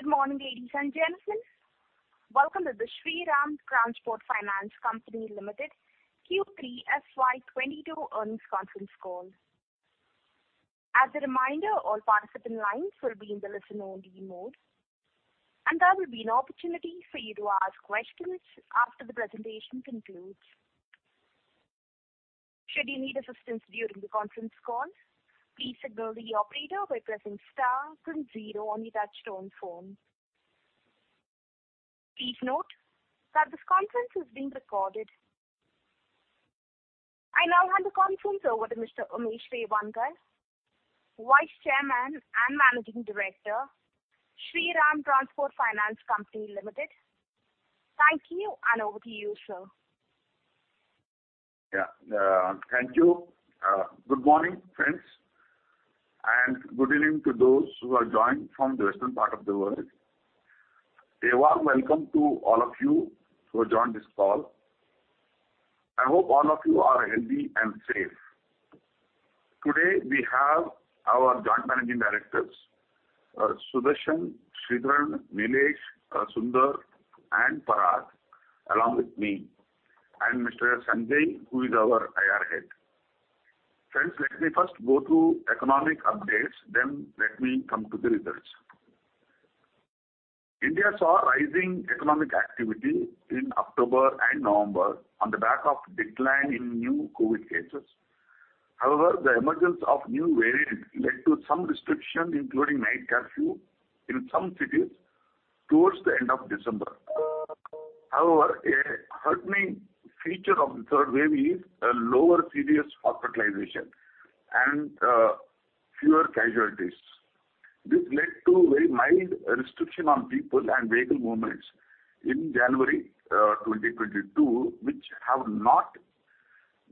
Good morning, ladies and gentlemen. Welcome to the Shriram Transport Finance Company Limited Q3 FY 2022 earnings conference call. As a reminder, all participant lines will be in the listen-only mode, and there will be an opportunity for you to ask questions after the presentation concludes. Should you need assistance during the conference call, please signal the operator by pressing star then zero on your touch-tone phone. Please note that this conference is being recorded. I now hand the conference over to Mr. Umesh Revankar, Vice Chairman and Managing Director, Shriram Transport Finance Company Limited. Thank you, and over to you, sir. Yeah. Thank you. Good morning, friends, and good evening to those who have joined from the western part of the world. A warm welcome to all of you who have joined this call. I hope all of you are healthy and safe. Today, we have our Joint Managing Directors, Sudarshan, Sridharan, Nilesh, Sunder, and Parag, along with me and Mr. Sanjay, who is our IR Head. Friends, let me first go through economic updates, then let me come to the results. India saw rising economic activity in October and November on the back of decline in new COVID cases. However, the emergence of new variant led to some restriction, including night curfew in some cities towards the end of December. However, a heartening feature of the third wave is a lower serious hospitalization and fewer casualties. This led to very mild restriction on people and vehicle movements in January 2022, which have not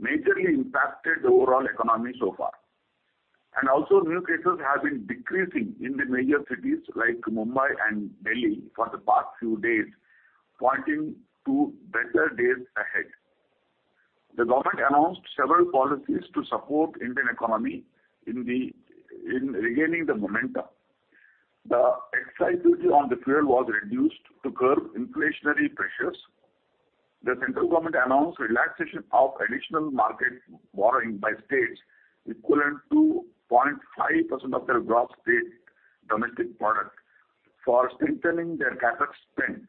majorly impacted the overall economy so far. New cases have been decreasing in the major cities like Mumbai and Delhi for the past few days, pointing to better days ahead. The government announced several policies to support Indian economy in regaining the momentum. The excise duty on the fuel was reduced to curb inflationary pressures. The central government announced relaxation of additional market borrowing by states equivalent to 0.5% of their gross state domestic product for strengthening their CapEx spend.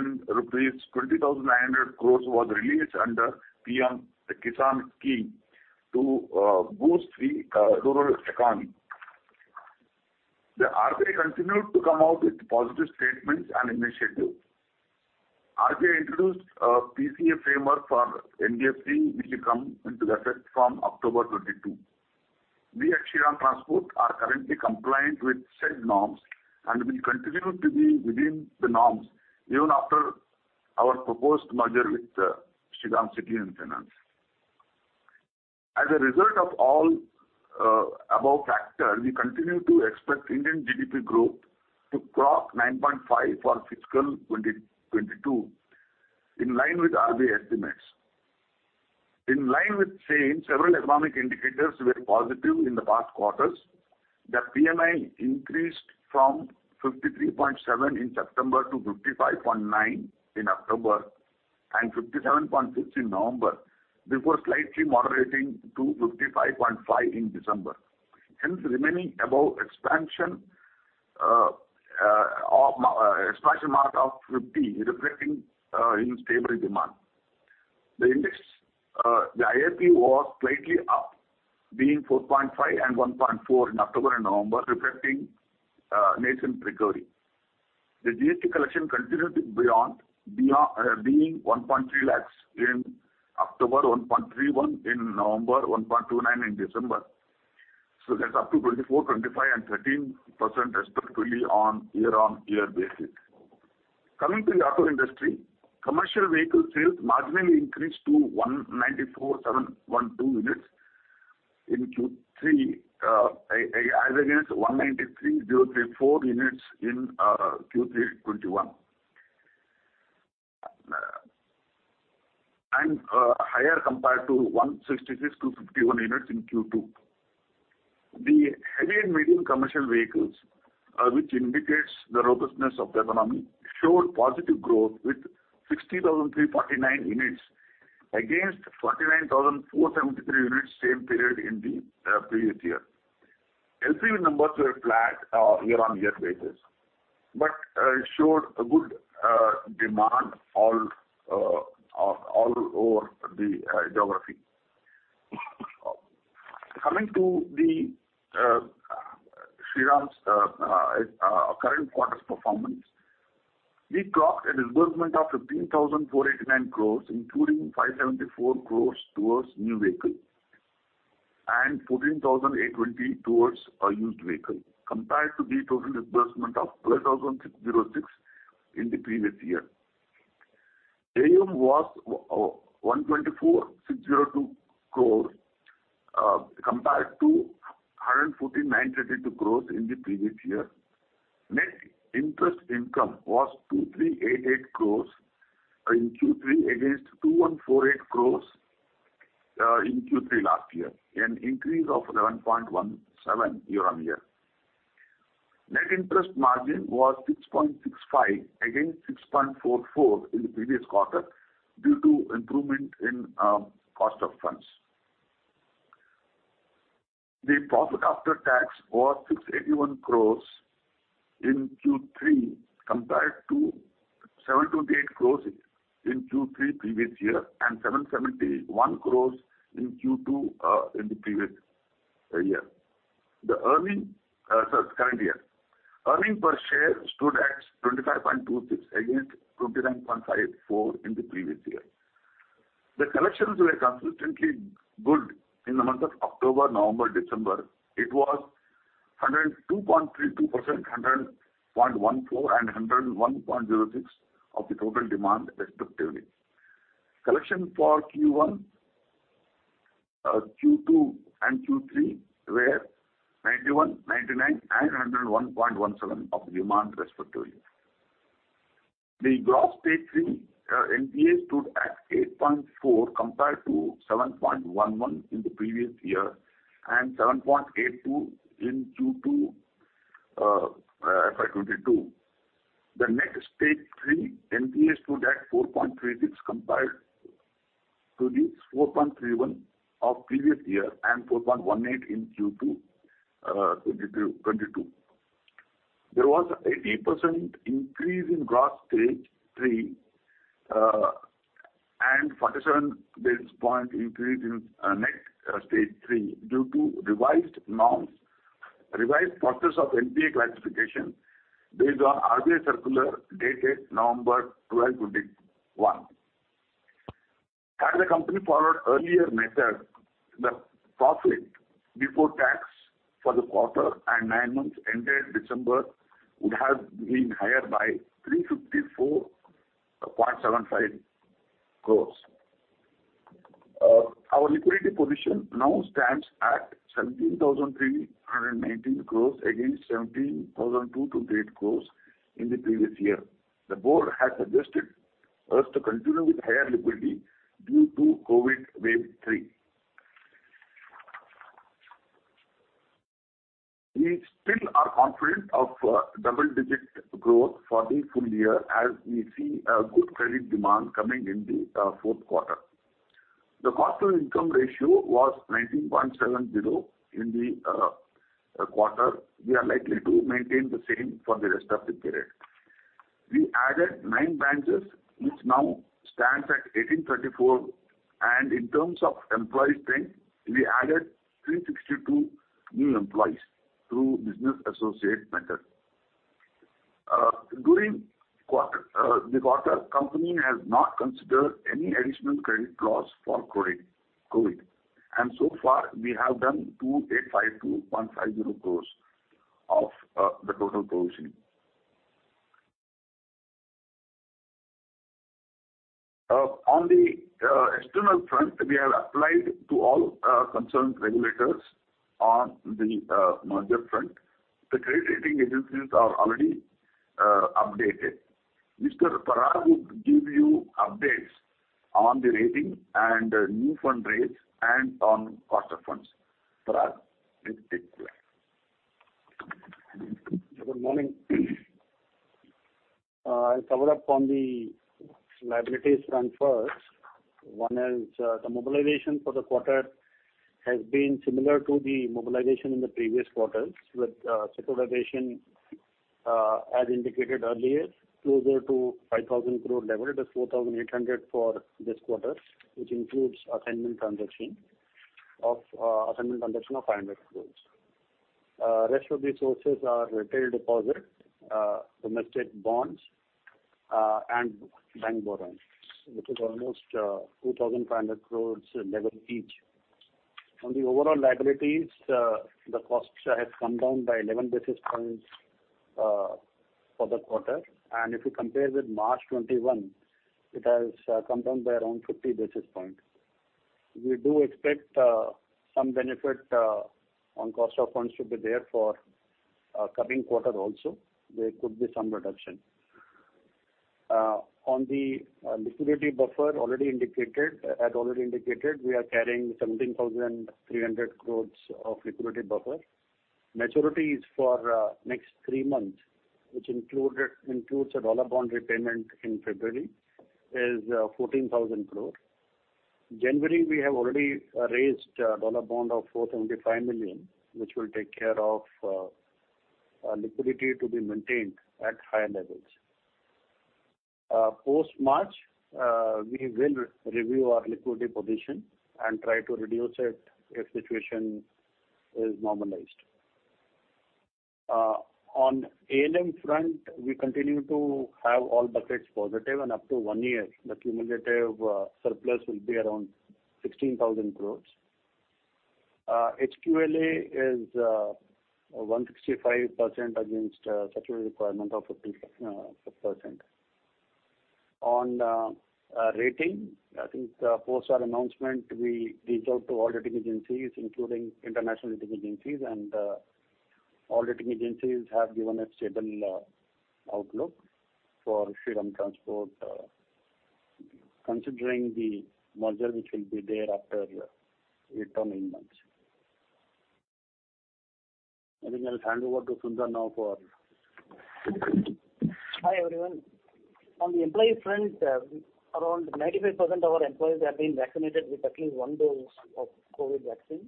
INR 20,900 crore was released under PM-KISAN scheme to boost the rural economy. The RBI continued to come out with positive statements and initiatives. RBI introduced a PCA framework for NBFC, which will come into effect from October 2022. We at Shriram Transport are currently compliant with said norms and will continue to be within the norms even after our proposed merger with Shriram City Union Finance. As a result of all above factors, we continue to expect Indian GDP growth to cross 9.5% for fiscal 2022, in line with RBI estimates. In line with same, several economic indicators were positive in the past quarters. The PMI increased from 53.7 in September to 55.9 in October and 57.6 in November, before slightly moderating to 55.5 in December, hence remaining above expansion mark of 50, reflecting sustained stable demand. The index, the IIP was slightly up, being 4.5% and 1.4% in October and November, reflecting national recovery. The GST collection continued being 1.3 lakh in October, 1.31 lakh in November, 1.29 lakh in December. That's up to 24%, 25%, and 13% respectively on year-on-year basis. Coming to the auto industry, commercial vehicle sales marginally increased to 194,712 units in Q3 against 193,034 units in Q3 2021, and higher compared to 166,251 units in Q2. The heavy and medium commercial vehicles, which indicates the robustness of the economy, showed positive growth with 60,349 units against 49,473 units same period in the previous year. LCV numbers were flat year-on-year basis, but showed a good demand all over the geography. Coming to Shriram's current quarter's performance. We clocked a disbursement of 15,489 crore, including 574 crore towards new vehicles and 14,820 crore towards used vehicles, compared to the total disbursement of 12,606 crore in the previous year. AUM was 124,602 crore, compared to 114,932 crore in the previous year. Net interest income was 2,388 crore in Q3 against 2,148 crore in Q3 last year, an increase of 11.17% year-on-year. Net interest margin was 6.65% against 6.44% in the previous quarter due to improvement in cost of funds. The profit after tax was 681 crore in Q3 compared to 728 crore in Q3 previous year and 771 crore in Q2 current year. Earnings per share stood at 25.26 against 29.54 in the previous year. The collections were consistently good in the months of October, November, December. It was 102.32%, 100.14%, and 101.06% of the total demand respectively. Collection for Q1, Q2 and Q3 were 91%, 99%, and 101.17% of the demand respectively. The gross Stage 3 NPA stood at 8.4% compared to 7.11% in the previous year and 7.82% in Q2 FY 2022. The net Stage 3 NPA stood at 4.36% compared to the 4.31% of previous year and 4.18% in Q2 2022. There was an 8% increase in gross Stage 3 and 47 basis-point increase in net Stage 3 due to revised norms, revised process of NPA classification based on RBI circular dated November 12, 2021. Had the company followed earlier method, the profit before tax for the quarter and nine months ended December would have been higher by 354.75 crores. Our liquidity position now stands at 17,319 crores against 17,228 crores in the previous year. The Board has suggested us to continue with higher liquidity due to COVID wave three. We still are confident of double-digit growth for the full year as we see a good credit demand coming in the fourth quarter. The cost-to-income ratio was 19.70% in the quarter. We are likely to maintain the same for the rest of the period. We added nine branches, which now stands at 1,834, and in terms of employee strength, we added 362 new employees through business associate method. During the quarter, company has not considered any additional credit loss for COVID, and so far we have done 2,852.50 crore of the total provisioning. On the external front, we have applied to all concerned regulators on the merger front. The credit rating agencies are already updated. Mr. Parag would give you updates on the rating and new fund raise and on cost of funds. Parag, please take it away. Good morning. I'll cover up on the liabilities front first. One is the mobilization for the quarter has been similar to the mobilization in the previous quarters with securitization, as indicated earlier, closer to 5,000 crore level. That's 4,800 for this quarter, which includes assignment transaction of 500 crore. Rest of the sources are retail deposit, domestic bonds, and bank borrowings, which is almost 2,500 crore level each. On the overall liabilities, the cost has come down by 11 basis points for the quarter, and if you compare with March 2021, it has come down by around 50 basis points. We do expect some benefit on cost of funds to be there for coming quarter also. There could be some reduction. On the liquidity buffer already indicated, we are carrying 17,300 crore of liquidity buffer. Maturities for next three months, which includes a dollar bond repayment in February, is 14,000 crore. In January, we have already raised a dollar bond of $475 million, which will take care of liquidity to be maintained at higher levels. Post-March, we will review our liquidity position and try to reduce it if situation is normalized. On ALM front, we continue to have all buckets positive, and up to one year, the cumulative surplus will be around 16,000 crore. HQLA is 165% against statutory requirement of 50%. On rating, I think, post our announcement, we reached out to all rating agencies, including international rating agencies, and all rating agencies have given a stable outlook for Shriram Transport, considering the merger which will be there after eight or nine months. I think I'll hand over to Sunder now. Hi, everyone. On the employee front, around 95% of our employees have been vaccinated with at least one dose of COVID vaccine,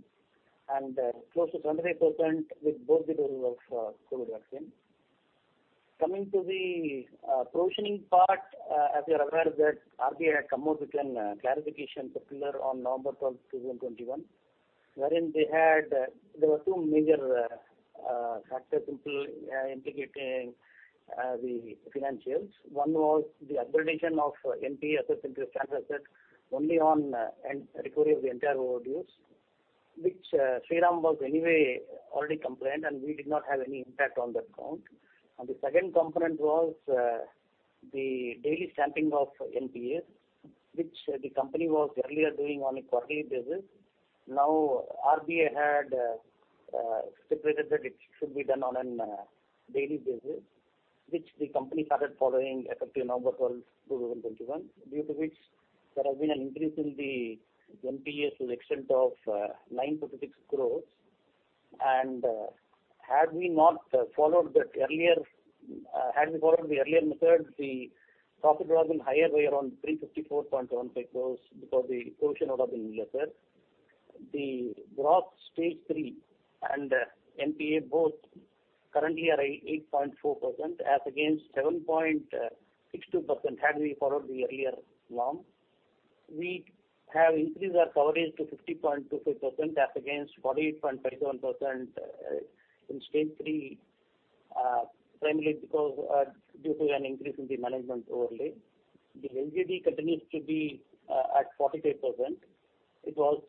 and close to 25% with both the doses of COVID vaccine. Coming to the provisioning part, as you're aware that RBI had come out with a clarification circular on November 12, 2021, wherein there were two major factors impacting the financials. One was the upgradation of NPA assets into standard assets only on recovery of the entire overdues, which Shriram was anyway already compliant, and we did not have any impact on that count. The second component was the daily stamping of NPAs, which the company was earlier doing on a quarterly basis. Now, RBI had stipulated that it should be done on a daily basis, which the company started following effective November 12, 2021. Due to which there has been an increase in the NPAs to the extent of 946 crores. Had we not followed that earlier, had we followed the earlier method, the profit would have been higher by around 354.75 crore because the provision would have been lesser. The Stage 3 and NPA both currently are at 8.4% as against 7.62% had we followed the earlier norm. We have increased our coverage to 50.26% as against 48.57% in Stage 3, primarily because due to an increase in the management overlay. The LGD continues to be at 43%. It was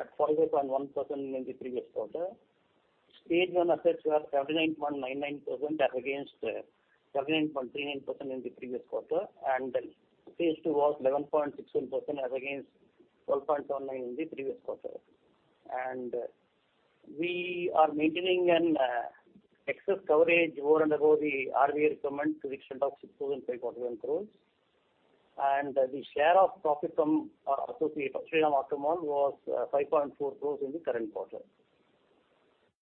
at 43.1% in the previous quarter. Stage 1 assets were 79.99% as against 79.39% in the previous quarter. Stage 2 was 11.16% as against 12.19% in the previous quarter. We are maintaining an excess coverage over and above the RBI requirement to the extent of 6,541 crore. The share of profit from our associate, Shriram Automall, was 5.4 crore in the current quarter.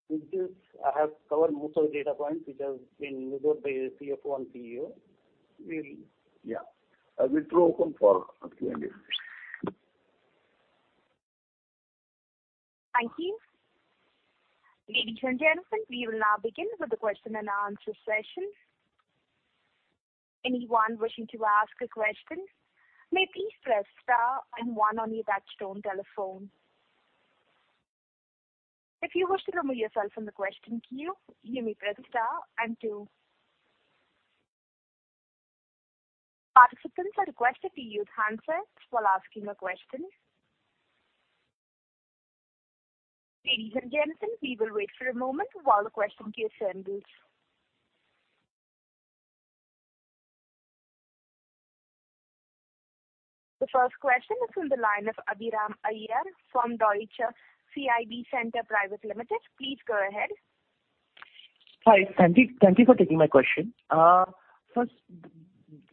With this, I have covered most of the data points which have been noted by CFO and CEO. Yeah. I will throw it open for Q&A. Thank you. Ladies and gentlemen, we will now begin with the question-and-answer session. Anyone wishing to ask a question may please press star and one on your touch-tone telephone. If you wish to remove yourself from the question queue, you may press star and two. Participants are requested to use handsets while asking a question. Ladies and gentlemen, we will wait for a moment while the question queue settles. The first question is from the line of Abhiram Iyer from Deutsche CIB Centre Private Limited. Please go ahead. Hi. Thank you for taking my question. First,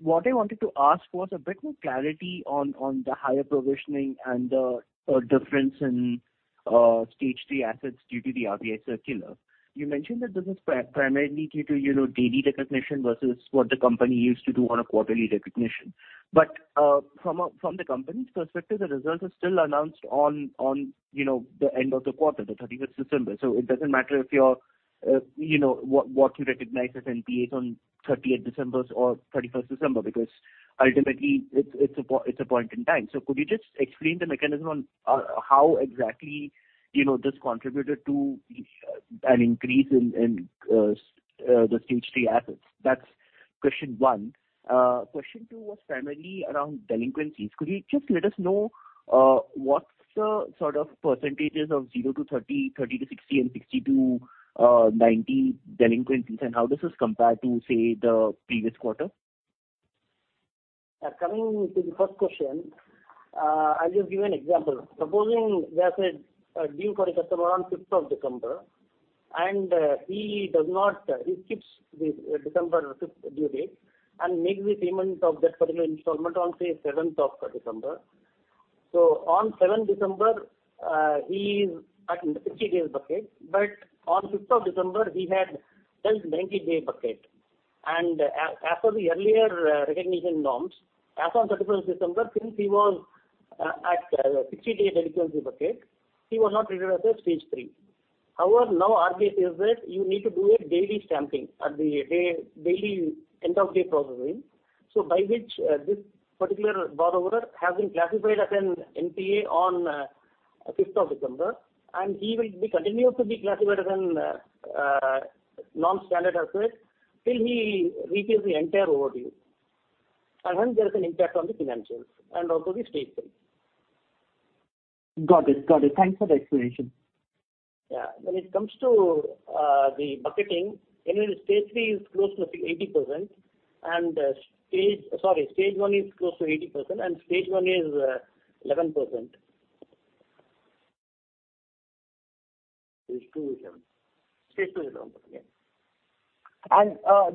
what I wanted to ask was a bit more clarity on the higher provisioning and the difference in Stage 3 assets due to the RBI circular. You mentioned that this is primarily due to, you know, daily recognition versus what the company used to do on a quarterly recognition. From a, from the company's perspective, the results are still announced on, you know, the end of the quarter, the 31st December. It doesn't matter if you're, you know, what you recognize as NPAs on 30th December or 31st December, because ultimately, it's a point in time. Could you just explain the mechanism on how exactly, you know, this contributed to an increase in the Stage 3 assets? That's question one. Question two was primarily around delinquencies. Could you just let us know what's the sort of percentages of 0-30, 30-60, and 60-90 delinquencies, and how this is compared to, say, the previous quarter? Coming to the first question, I'll just give you an example. Supposing there's a due date for a customer on 5th of December, and he skips the December 5th due date and makes the payment of that particular installment on, say, 7th of December. On 7th December, he is at the 60-day bucket. On 5th of December, he had fallen into the 90-day bucket. As per the earlier recognition norms, as on December 31st, since he was at the 60-day delinquency bucket, he was not treated as a Stage 3. However, now RBI says that you need to do a daily stamping at the end of day processing, by which this particular borrower has been classified as an NPA on 5th of December, and he will be continued to be classified as a sub-standard asset till he repays the entire overdue. There is an impact on the financials and also the Stage 3. Got it. Got it. Thanks for the explanation. When it comes to the bucketing, Stage 1 is close to 80% and Stage 2 is 11%. Stage 2 is 11%. Stage 2 is 11%, yeah.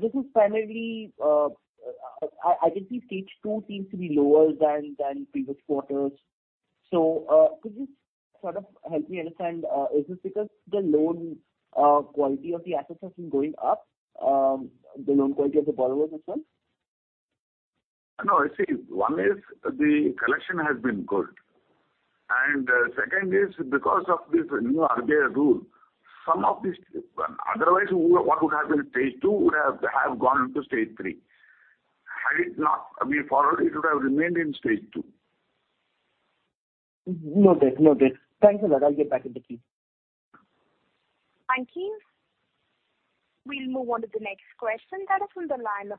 This is primarily—I can see Stage 2 seems to be lower than previous quarters. Could you sort of help me understand, is this because the loan quality of the assets has been going up, the loan quality of the borrowers as well? No, see, one is the collection has been good, and second is because of this new RBI rule, some of these otherwise what would have been Stage 2 would have gone Stage 3. Had it not been followed, it would have remained in Stage 2. Noted. Noted. Thanks a lot. I'll get back into queue. Thank you. We'll move on to the next question. That is from the line of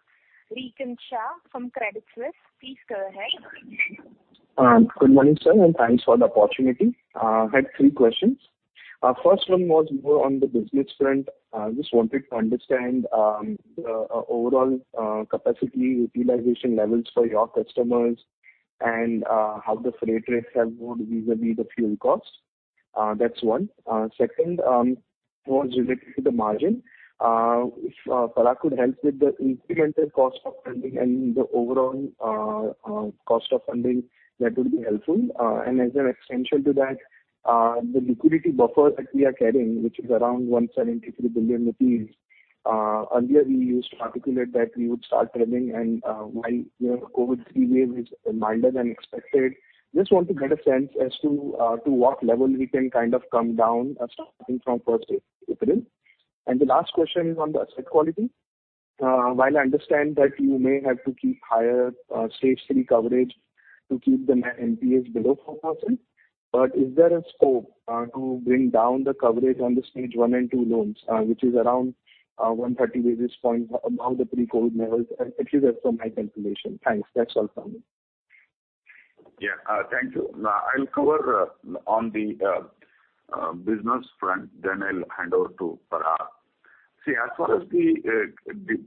Rikin Shah from Credit Suisse. Please go ahead. Good morning, sir, and thanks for the opportunity. Had three questions. First one was more on the business front. Just wanted to understand overall capacity utilization levels for your customers and how the freight rates have moved vis-a-vis the fuel costs. That's one. Second, more related to the margin. If Parag could help with the incremental cost of funding and the overall cost of funding, that would be helpful. As an extension to that, the liquidity buffer that we are carrying, which is around 173 billion rupees, earlier we used to articulate that we would start trimming and, while, you know, COVID third wave is milder than expected, just want to get a sense as to what level we can kind of come down, starting from April 1. The last question is on the asset quality. While I understand that you may have to keep Stage 3 coverage to keep the net NPAs below 4%, but is there a scope to bring down the coverage on Stage 1 and 2 loans, which is around 130 basis points above the pre-COVID levels, at least as per my calculation? Thanks. That's all from me. Yeah. Thank you. I'll cover on the business front, then I'll hand over to Parag. See, as far as the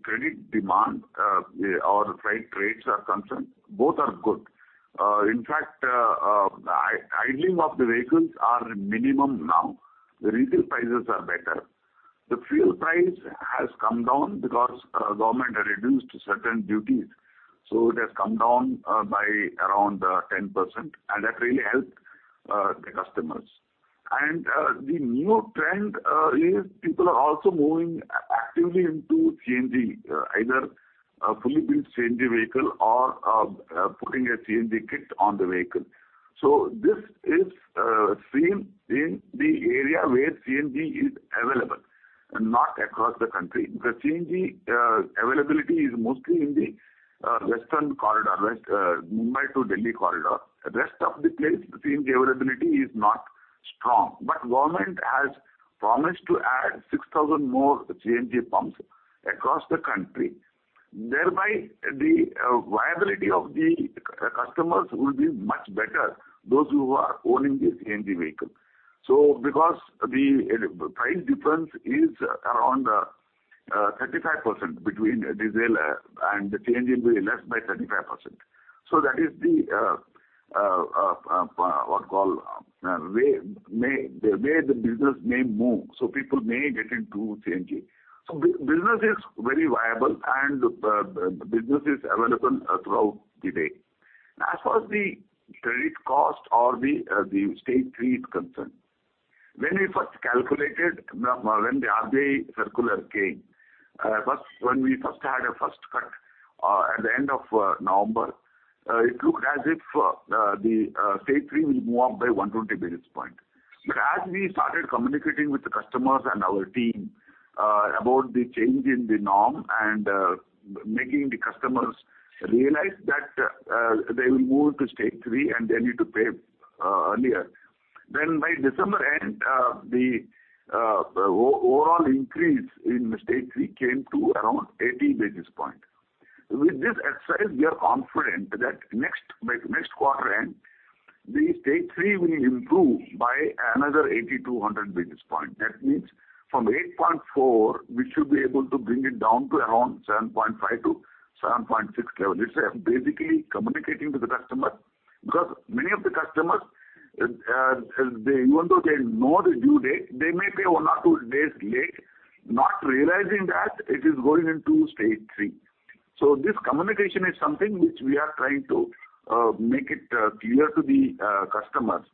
credit demand or freight rates are concerned, both are good. In fact, idling of the vehicles are minimum now. The retail prices are better. The fuel price has come down because government had reduced certain duties, so it has come down by around 10%, and that really helped the customers. The new trend is people are also moving actively into CNG, either a fully built CNG vehicle or putting a CNG kit on the vehicle. This is seen in the area where CNG is available, not across the country. The CNG availability is mostly in the western corridor, West Mumbai to Delhi corridor. Rest of the place, the CNG availability is not strong. Government has promised to add 6,000 more CNG pumps across the country, thereby the viability of the customers will be much better, those who are owning a CNG vehicle. Because the price difference is around 35% between diesel and the CNG will be less by 35%. That is the way the business may move, so people may get into CNG. Business is very viable and the business is available throughout the day. As far as the credit cost or the Stage 3 is concerned, when the RBI circular came, first, when we had a first cut at the end of November, it looked as if the Stage 3 will move up by 120 basis points. As we started communicating with the customers and our team about the change in the norm and making the customers realize that they will move to Stage 3 and they need to pay earlier, then by December end, the overall increase in Stage 3 came to around 80 basis points. With this exercise, we are confident that by next quarter end, the Stage 3 will improve by another 80 basis points-100 basis points. That means from 8.4%, we should be able to bring it down to around 7.5%-7.6% level. It's basically communicating to the customer because many of the customers, they, even though they know the due date, they may pay one or two days late, not realizing that it is going Stage 3. This communication is something which we are trying to make it clear to the customers.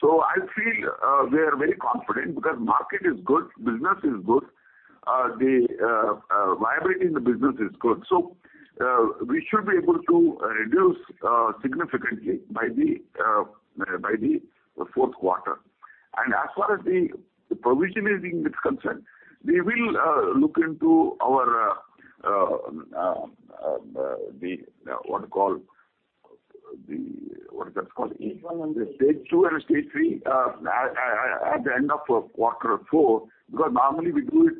I feel we are very confident because market is good, business is good, the viability in the business is good. We should be able to reduce significantly by the fourth quarter. As far as the provisioning is concerned, we will look into our the, what you call, the, what is that called— [Eight one one]. The Stage 2 and the Stage 3 at the end of quarter four because normally we do it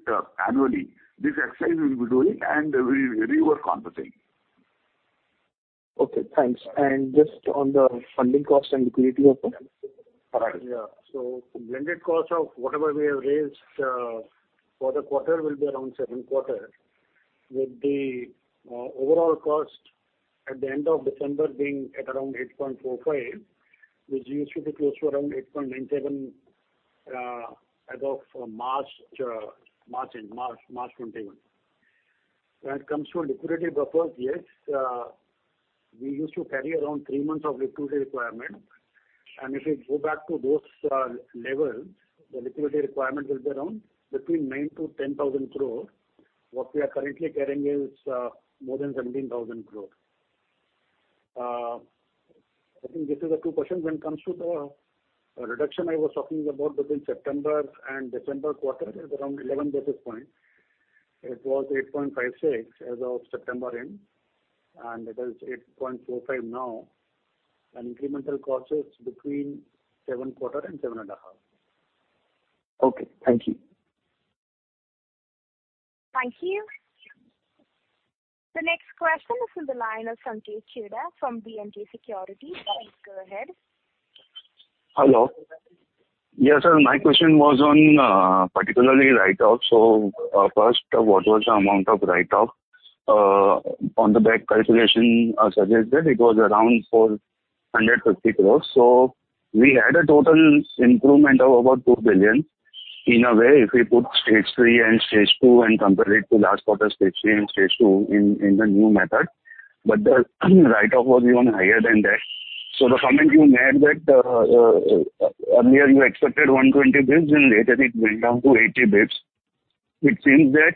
annually. This exercise we'll be doing and we'll rework on the same. Okay, thanks. Just on the funding cost and liquidity open. Parag. Blended cost of whatever we have raised for the quarter will be around 7.25%. With the overall cost at the end of December being at around 8.45%, which used to be close to around 8.97%, as of March end, March 2021. When it comes to liquidity buffers, yes, we used to carry around three months of liquidity requirement and if we go back to those levels, the liquidity requirement will be around between 9,000-10,000 crore. What we are currently carrying is more than 17,000 crore. I think this is the two questions. When it comes to the reduction I was talking about between September and December quarter is around 11 basis points. It was 8.56% as of September end, and it is 8.45% now. Incremental cost is between 7.25% and 7.5%. Okay, thank you. Thank you. The next question is from the line of Sanket Chheda from B&K Securities. Please go ahead. Hello. Yes, sir, my question was on, particularly write-offs. First, what was the amount of write-off? On the back calculation, suggested it was around 450 crore. We had a total improvement of about 2 billion. In a way, if we put Stage 3 and Stage 2 and compare it to last Stage 3 and Stage 2 in the new method, but the write-off was even higher than that. The comment you made that, earlier you accepted 120 basis points and later it went down to 80 basis points, it seems that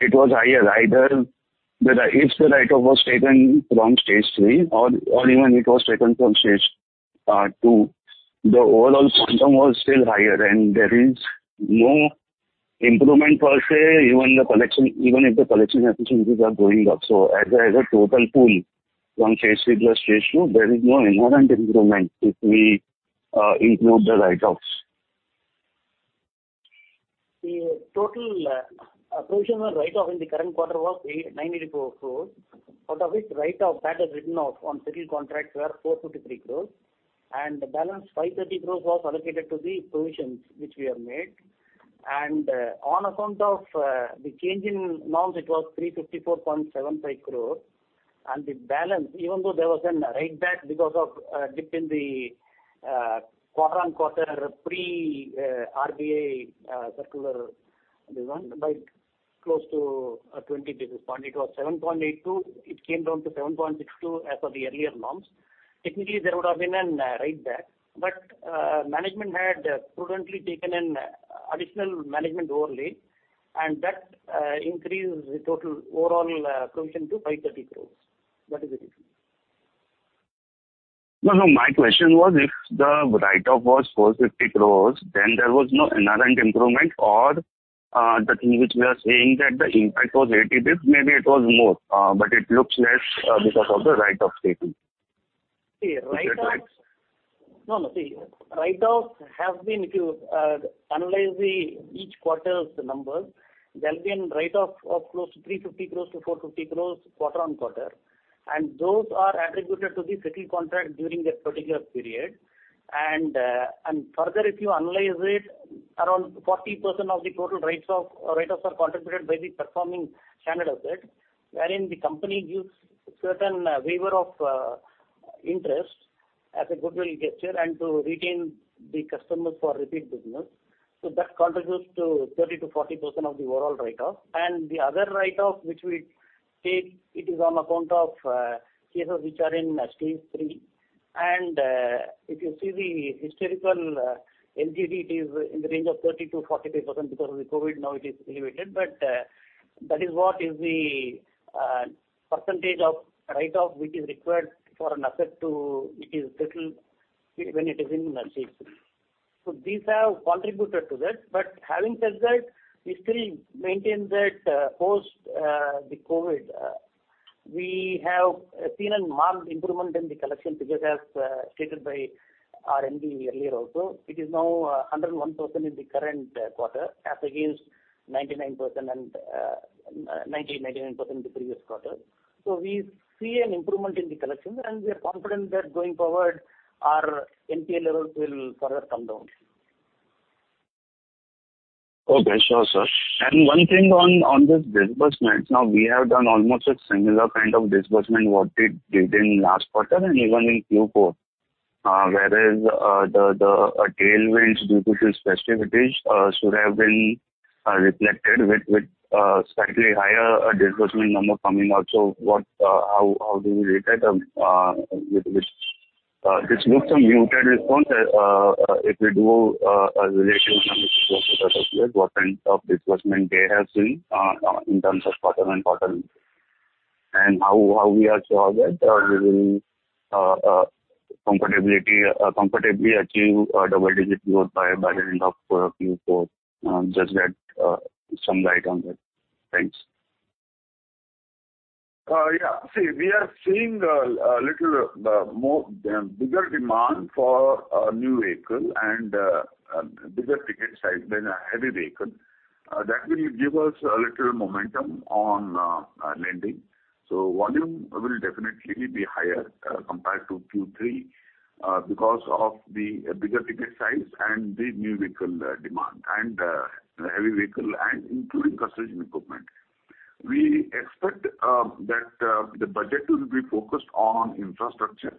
it was higher either if the write-off was taken Stage 3 or even it was taken from Stage 2, the overall system was still higher and there is no improvement per se even the collection, even if the collection efficiencies are going up. As a total pool from Stage 3 to Stage 2, there is no inherent improvement if we include the write-offs. The total provision on write-off in the current quarter was 984 crores, out of which write-off that is written off on settled contracts were 453 crore and the balance 530 crore was allocated to the provisions which we have made. On account of the change in norms, it was 354.75 crore. The balance, even though there was a write-back because of dip in the quarter-on-quarter pre-RBI circular by close to 20 basis points. It was 7.82. It came down to 7.62 as per the earlier norms. Technically, there would have been a write back but management had prudently taken an additional management overlay and that increased the total overall provision to 530 crore, that is the reason. No, no. My question was if the write-off was 450 crore then there was no inherent improvement or, the thing which we are saying that the impact was 80 basis points, maybe it was more, but it looks less, because of the write-off statement. The write-offs— Is that right? No, no. See, write-offs have been, if you analyze each quarter's number, there will be a write-off of close to 350 crore-450 crore quarter-on-quarter and those are attributed to the settled contract during that particular period. Further if you analyze it, around 40% of the total write-offs are contributed by the performing standard assets, wherein the company gives certain waiver of interest as a goodwill gesture and to retain the customers for repeat business. That contributes to 30%-40% of the overall write-off. The other write-off which we take is on account of cases which are Stage 3 and if you see the historical LGD, it is in the range of 30%-40% because of COVID. Now it is elevated, but that is what is the percentage of write-off which is required for an asset to be settled when it is Stage 3. These have contributed to that. Having said that, we still maintain that post-COVID we have seen a marked improvement in the collection figures as stated by our MD earlier also. It is now 101% in the current quarter as against 98% and 99% in the previous quarter. We see an improvement in the collection and we are confident that going forward our NPA levels will further come down. Okay. Sure, sir. One thing on this disbursements, now we have done almost a similar kind of disbursement what we did in last quarter and even in Q4. Whereas, the tailwinds due to some festivities should have been reflected with slightly higher disbursement number coming out. So, how do you look at it, which looks a muted response. If we do a correlation what kind of disbursement they have seen in terms of quarter-on-quarter? And how we are sure that we will comfortably achieve our double-digit growth by the end of Q4? Just shed some light on that. Thanks. Yeah. See, we are seeing a little more bigger demand for new vehicle and bigger ticket size than a heavy vehicle. That will give us a little momentum on lending. Volume will definitely be higher compared to Q3 because of the bigger ticket size and the new vehicle demand and the heavy vehicle and including construction equipment. We expect that the budget will be focused on infrastructure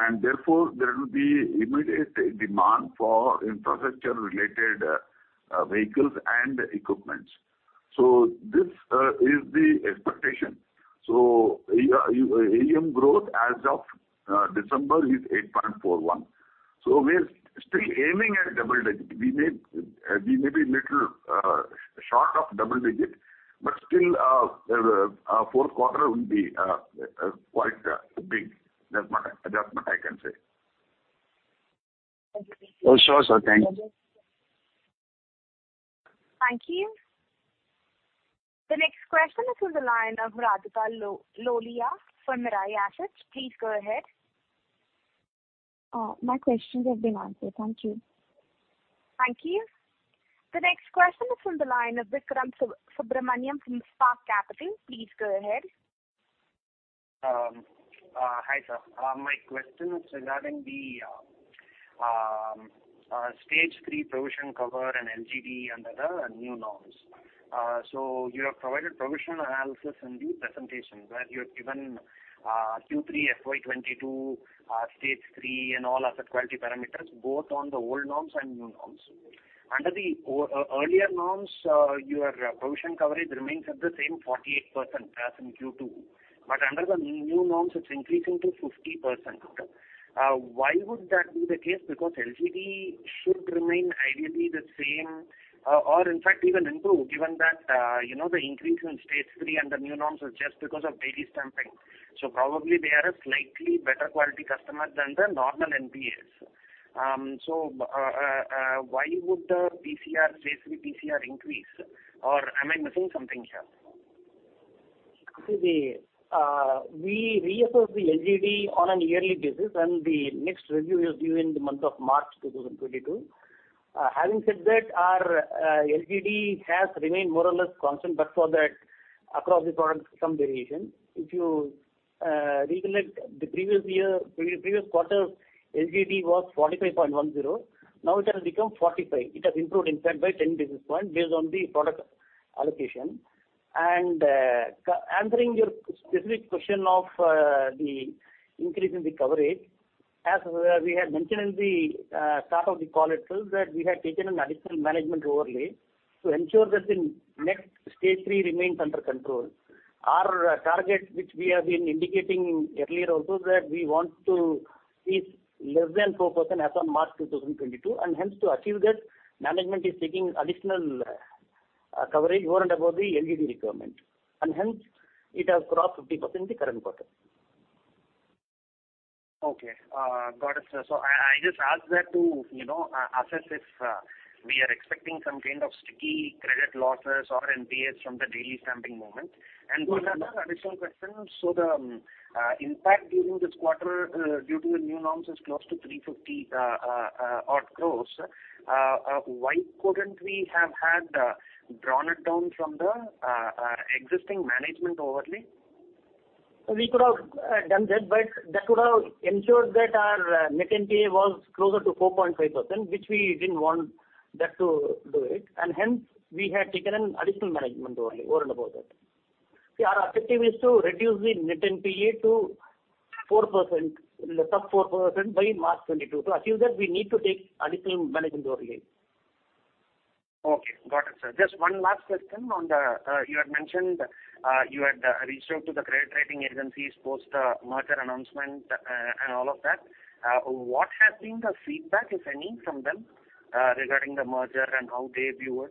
and therefore there will be immediate demand for infrastructure-related vehicles and equipment. This is the expectation. AUM growth as of December is 8.41%. We're still aiming at double digit. We may be little short of double digit, but still the fourth quarter will be quite big. That's what I can say. Oh, sure sir. Thank you. Thank you. The next question is from the line of Radhika Lohia for Mirae Asset. Please go ahead. My questions have been answered. Thank you. Thank you. The next question is from the line of Vikram Subramanian from Spark Capital. Please go ahead. Hi sir. My question is regarding Stage 3 provision cover and LGD under the new norms. You have provided provision analysis in the presentation where you have given Q3 FY 2022 Stage 3 and all asset quality parameters both on the old norms and new norms. Under the earlier norms, your provision coverage remains at the same 48% as in Q2, but under the new norms it's increasing to 50%. Why would that be the case? Because LGD should remain ideally the same, or in fact even improve given that you know the increase Stage 3 under new norms is just because of daily stamping. Probably they are a slightly better quality customer than the normal NPAs. Why would the PCR, basically PCR, increase? Am I missing something here? We reassess the LGD on a yearly basis, and the next review is due in the month of March 2022. Having said that, our LGD has remained more or less constant but for that across the product some variation. If you recall the previous year, previous quarter LGD was 45.10%. Now it has become 45%. It has improved in fact by 10 basis points based on the product allocation. Answering your specific question of the increase in the coverage, as we had mentioned in the start of the call itself that we had taken an additional management overlay to ensure that the Stage 3 remains under control. Our target, which we have been indicating earlier also that we want to be less than 4% as on March 2022, and hence to achieve that, management is taking additional coverage over and above the LGD requirement. Hence it has crossed 50% in the current quarter. Okay. Got it, sir. I just asked that to, you know, assess if we are expecting some kind of sticky credit losses or NPAs from the daily stamping moment. One other additional question. The impact during this quarter due to the new norms is close to 350-odd crore. Why couldn't we have had drawn it down from the existing management overlay? We could have done that, but that would have ensured that our net NPA was closer to 4.5%, which we didn't want to do it, and hence we had taken an additional management overlay over and above that. See, our objective is to reduce the net NPA to 4% or less by March 2022. To achieve that, we need to take additional management overlay. Okay. Got it, sir. Just one last question on the you had mentioned you had reached out to the credit rating agencies post the merger announcement and all of that. What has been the feedback, if any, from them regarding the merger and how they view it?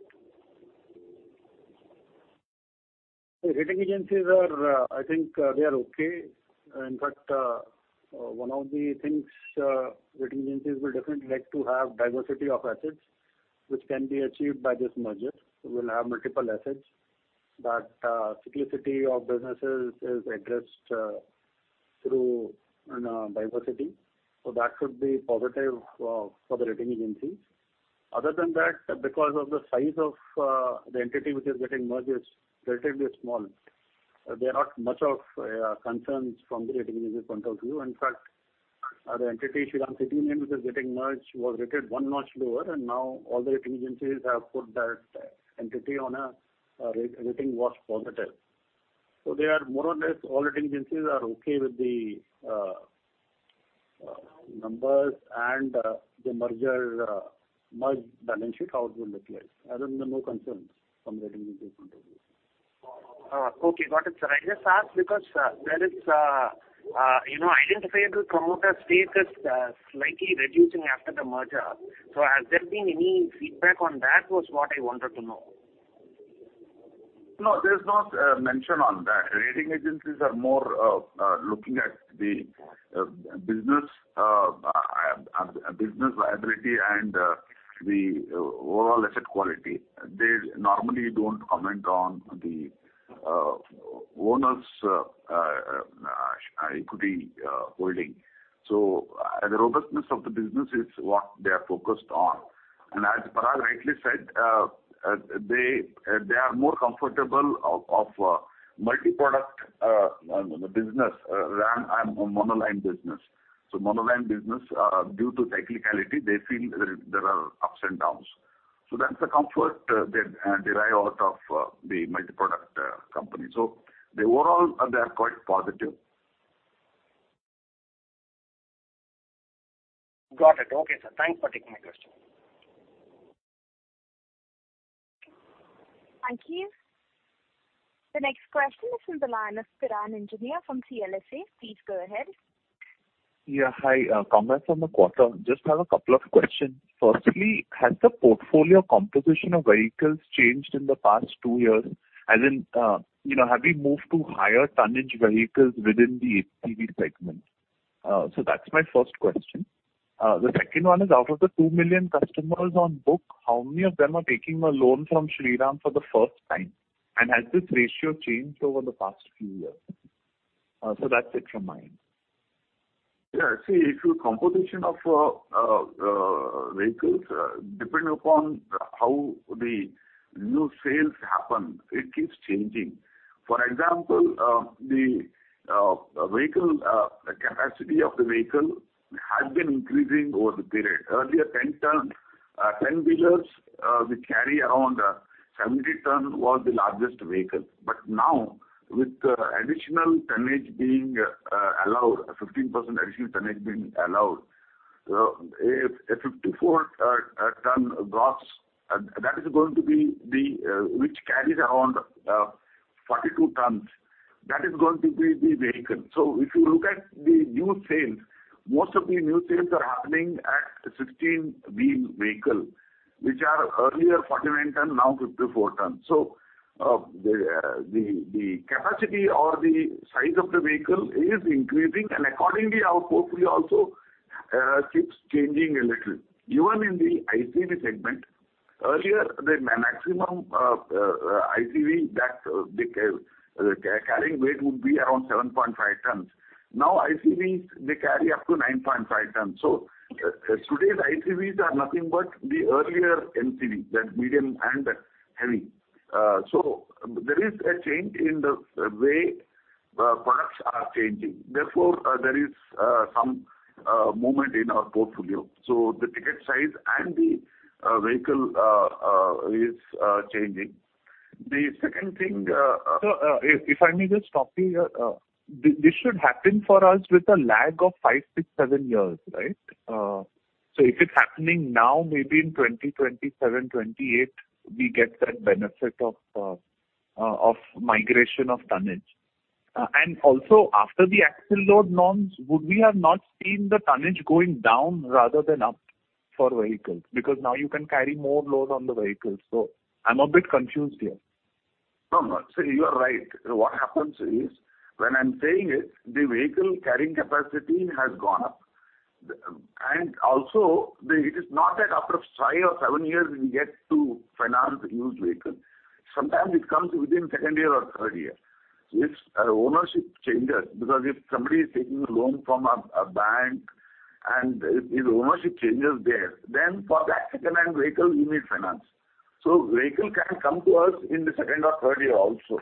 The rating agencies are, I think, they are okay. In fact, one of the things, rating agencies will definitely like to have diversity of assets which can be achieved by this merger. We will have multiple assets that cyclicity of businesses is addressed through, you know, diversity. That should be positive for the rating agencies. Other than that, because of the size of the entity which is getting merged is relatively small, there are not much of concerns from the rating agency point of view. In fact, the entity Shriram City Union Finance which is getting merged was rated one notch lower and now all the rating agencies have put that entity on a rating watch positive. They are more or less all rating agencies are okay with the numbers and the merger balance sheet how it will look like. Other than that, no concerns from rating agency point of view. Okay. Got it, sir. I just asked because there is, you know, identifiable promoter stake is slightly reducing after the merger. Has there been any feedback on that? That was what I wanted to know. No, there's no mention of that. Rating agencies are more looking at the business viability and the overall asset quality. They normally don't comment on the owner's equity holding. The robustness of the business is what they are focused on. As Parag rightly said, they are more comfortable with multi-product business than a monoline business. Monoline business, due to cyclicality, they feel there are ups and downs. That's the comfort they derive out of the multi-product company. Overall, they are quite positive. Got it. Okay, sir. Thanks for taking my question. Thank you. The next question is from the line of Piran Engineer from CLSA. Please go ahead. Yeah. Hi. I have comments on the quarter. I just have a couple of questions. Firstly, has the portfolio composition of vehicles changed in the past two years? As in, you know, have you moved to higher-tonnage vehicles within the HCV segment? So that's my first question. The second one is, out of the 2 million customers on book, how many of them are taking a loan from Shriram for the first time? And has this ratio changed over the past few years? So that's it from my end. See, if your composition of vehicles, depending upon how the new sales happen, it keeps changing. For example, the capacity of the vehicle has been increasing over the period. Earlier 10-wheelers, which carry around 70 tons was the largest vehicle. Now, with additional tonnage being allowed, 15% additional tonnage being allowed, a 54-ton gross, that is going to be the—which carries around 42 tons. That is going to be the vehicle. If you look at the new sales, most of the new sales are happening at 16-wheel vehicle, which are earlier 49-ton, now 54-ton. The capacity or the size of the vehicle is increasing. Accordingly, our portfolio also keeps changing a little. Even in the ICV segment, earlier the maximum carrying weight would be around 7.5 tons. Now, ICVs, they carry up to 9.5 tons. Today's ICVs are nothing but the earlier MCV, that medium and heavy. There is a change in the way products are changing. Therefore, there is some movement in our portfolio. The ticket size and the vehicle is changing. The second thing, Sir, if I may just stop you here. This should happen for us with a lag of five, six, seven years, right? If it's happening now, maybe in 2027, 2028, we get that benefit of migration of tonnage. Also after the axle load norms, would we have not seen the tonnage going down rather than up for vehicles? Because now you can carry more load on the vehicles. I'm a bit confused here. No, no. See, you are right. What happens is, when I'm saying it, the vehicle carrying capacity has gone up. It is not that after five or seven years, we get to finance huge vehicle. Sometimes it comes within second year or third year. If ownership changes, because if somebody is taking a loan from a bank and if ownership changes there, then for that second-hand vehicle, we need finance. Vehicle can come to us in the second or third year also.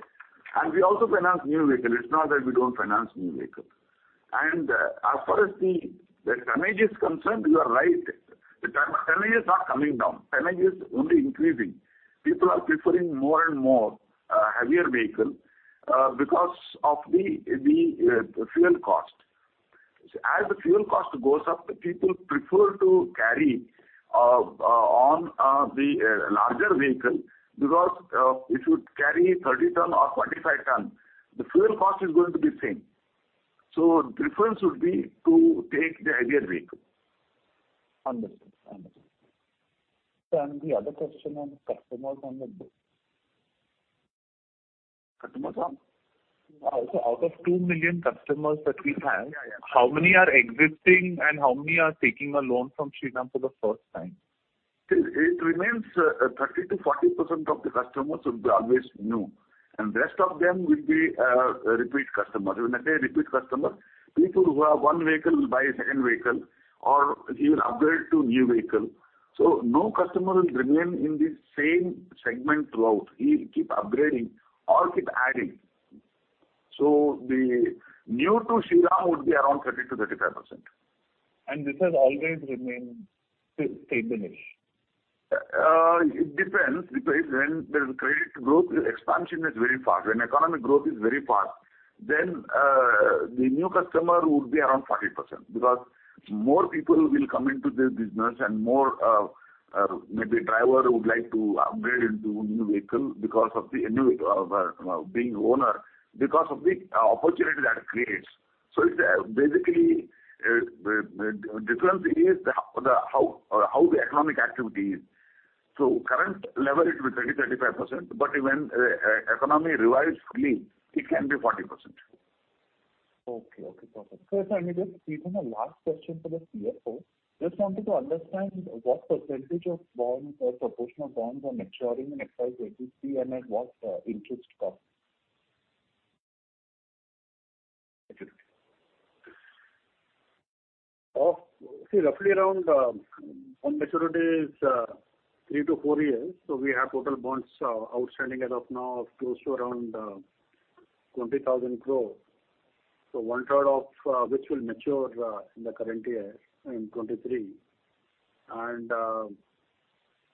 We also finance new vehicles. It's not that we don't finance new vehicles. As far as the tonnage is concerned, you are right. The tonnage is not coming down. Tonnage is only increasing. People are preferring more and more heavier vehicle because of the fuel cost. As the fuel cost goes up, the people prefer to carry on the larger vehicle, because if you carry 30 tons or 45 tons, the fuel cost is going to be same. Preference would be to take the heavier vehicle. Understood. The other question on customers on the book? Customers on? Out of 2 million customers that we have— Yeah, yeah. How many are existing and how many are taking a loan from Shriram for the first time? See, it remains 30%-40% of the customers will be always new, and rest of them will be repeat customers. When I say repeat customer, people who have one vehicle will buy a second vehicle or he will upgrade to new vehicle. No customer will remain in the same segment throughout. He'll keep upgrading or keep adding. The new to Shriram would be around 30%-35%. This has always remained stable-ish? It depends. Depends when there is credit growth, expansion is very fast. When economic growth is very fast, then the new customer would be around 40% because more people will come into this business and more—maybe drivers would like to upgrade into new vehicle because of the new being owner, because of the opportunity that creates. It's basically the difference is the how the economic activity is. Current level, it's 30%-35%, but when economy revives fully, it can be 40%. Okay. Okay, perfect. Sir, if I may just squeeze in a last question for the CFO. Just wanted to understand what percentage of bonds or proportion of bonds are maturing in FY 2023 and at what interest cost? Maturity. See, roughly around, on maturities, three to four years. We have total bonds outstanding as of now of close to around, 20,000 crore. One third of which will mature in the current year, in 2023.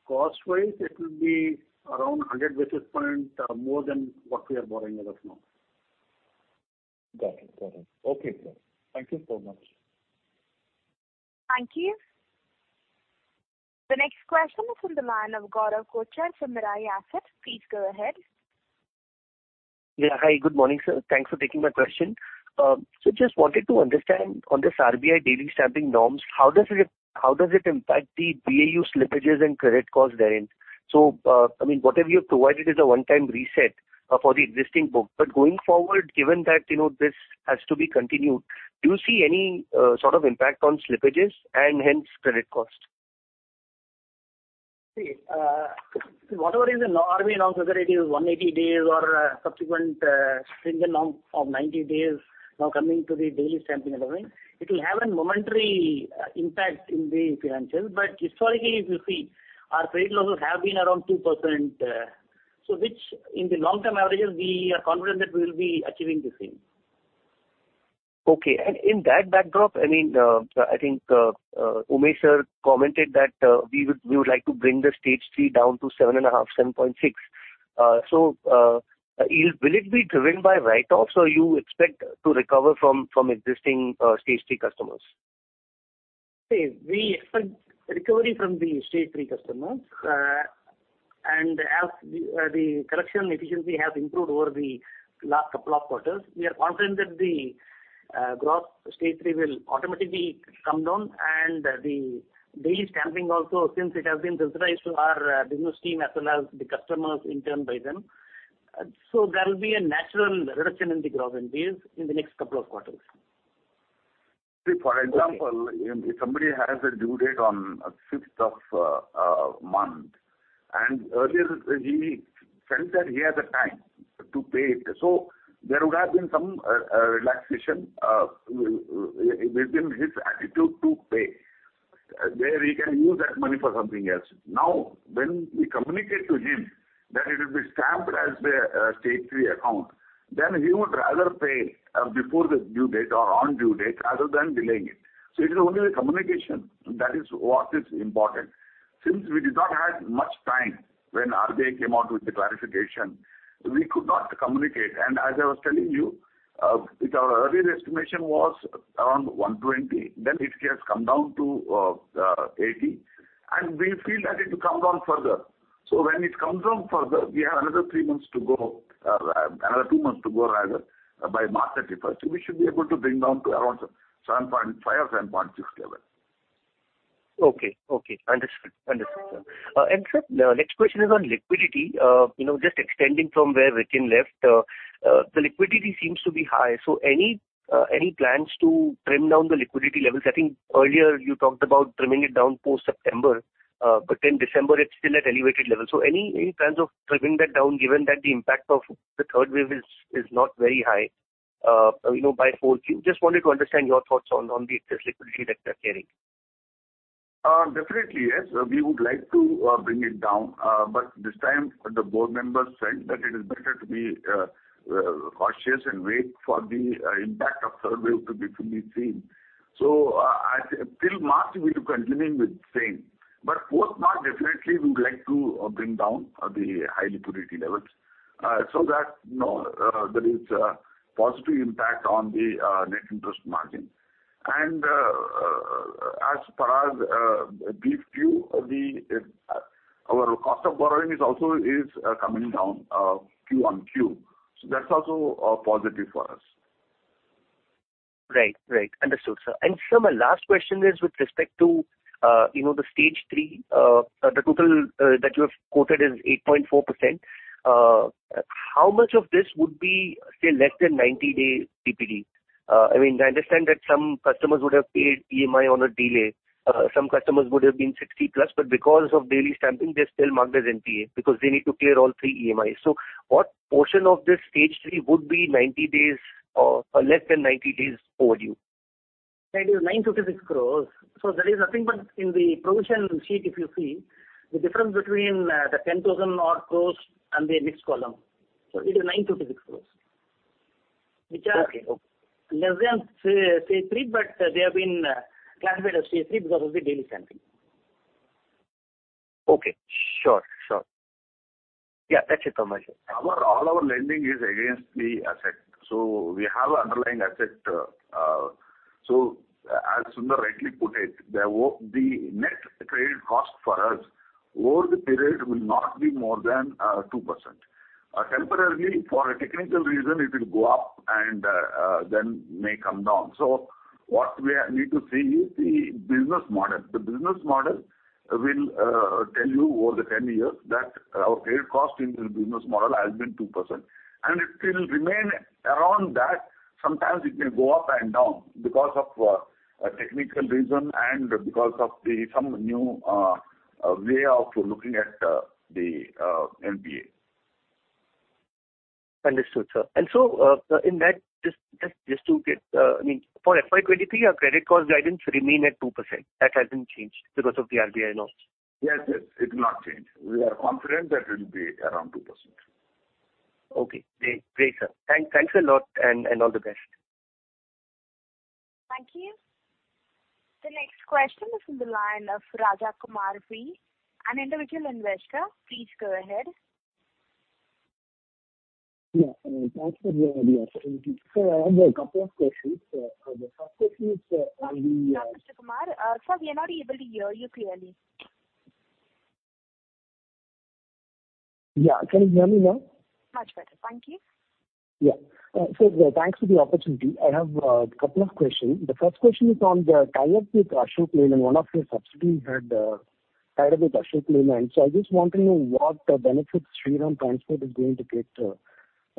Cost-wise it will be around 100 basis points more than what we are borrowing as of now. Got it. Okay, sir. Thank you so much. Thank you. The next question is from the line of Gaurav Kochar from Mirae Asset. Please go ahead. Yeah. Hi, good morning, sir. Thanks for taking my question. Just wanted to understand on this RBI daily stamping norms, how does it impact the BAU slippages and credit costs therein? I mean, whatever you've provided is a one-time reset for the existing book, but going forward, given that, you know, this has to be continued, do you see any sort of impact on slippages and hence credit cost? See, whatever is the RBI norm, whether it is 180 days or subsequent single norm of 90 days now coming to the daily stamping and all that, it will have a momentary impact on the financials. Historically, if you see, our credit losses have been around 2%, so which in the long-term averages we are confident that we will be achieving the same. Okay. In that backdrop, I mean, I think, Umesh sir commented that we would like to bring the Stage 3 down to 7.5%, 7.6%. So, will it be driven by write-offs or you expect to recover from existing Stage 3 customers? See, we expect recovery from Stage 3 customers. As the collection efficiency has improved over the last couple of quarters, we are confident that the Stage 3 will automatically come down and the daily stamping also, since it has been sensitized to our business team as well as the customers in turn by them, so there will be a natural reduction in the gross NPAs in the next couple of quarters. See, for example— Okay. If somebody has a due date on 5th of the month and earlier he felt that he has the time to pay it. There would have been some relaxation within his attitude to pay, where he can use that money for something else. Now, when we communicate to him that it will be stamped as Stage 3 account, then he would rather pay before the due date or on due date rather than delaying it. It is only the communication that is what is important. Since we did not have much time when RBI came out with the clarification, we could not communicate. As I was telling you, our earlier estimation was around 120, then it has come down to 80, and we feel that it will come down further. When it comes down further, we have another two months to go rather, by March 31st. We should be able to bring down to around 7.5%-7.6% level. Okay. Understood, sir. Sir, next question is on liquidity. You know, just extending from where Rikhin left, the liquidity seems to be high. So any plans to trim down the liquidity levels? I think earlier you talked about trimming it down post September, but in December it's still at elevated levels. So any plans of trimming that down, given that the impact of the third wave is not very high, you know, by fourth. Just wanted to understand your thoughts on the excess liquidity that you're carrying. Definitely, yes, we would like to bring it down. But this time the board members felt that it is better to be cautious and wait for the impact of third wave to be seen. Till March we will continue with same, but post-March definitely we would like to bring down the high liquidity levels, so that, you know, there is a positive impact on the net interest margin. As Parag briefed you, our cost of borrowing is also coming down quarter-over-quarter, so that's also positive for us. Right. Understood, sir. Sir, my last question is with respect to Stage 3, the total that you have quoted is 8.4%. How much of this would be, say, less than 90-day DPD? I mean, I understand that some customers would have paid EMI on a delay, some customers would have been 60+, but because of daily stamping, they're still marked as NPA because they need to clear all three EMIs. What portion of Stage 3 would be 90 days or less than 90 days overdue? That is 956 crore. That is nothing but in the provision sheet, if you see, the difference between the 10,000-odd crore and the next column. It is 956 crore, which are— Okay. Less than Stage 3, but they have been classified as Stage 3 because of the daily stamping. Okay. Sure. Sure. Yeah, that's it from my side. All our lending is against the asset, so we have underlying asset. As Sunder rightly put it, the net credit cost for us over the period will not be more than 2%. Temporarily for a technical reason, it will go up and then may come down. What we need to see is the business model. The business model will tell you over the 10 years that our credit cost in the business model has been 2%, and it will remain around that. Sometimes it may go up and down because of a technical reason and because of some new way of looking at the NPA. Understood, sir. Just to get, I mean, for FY 2023, your credit cost guidance remain at 2%. That hasn't changed because of the RBI norms. Yes, yes. It will not change. We are confident that it will be around 2%. Okay. Great, sir. Thanks a lot and all the best. Thank you. The next question is from the line of Raja Kumar V, an individual investor. Please go ahead. Yeah. Thanks for the opportunity. Sir, I have a couple of questions. The first question is, on the— Mr. Kumar, sir, we are not able to hear you clearly. Yeah. Can you hear me now? Much better. Thank you. Yeah. Thanks for the opportunity. I have a couple of questions. The first question is on the tie-up with Ashok Leyland. One of your subsidiary had tied up with Ashok Leyland. I just want to know what benefits Shriram Transport is going to get,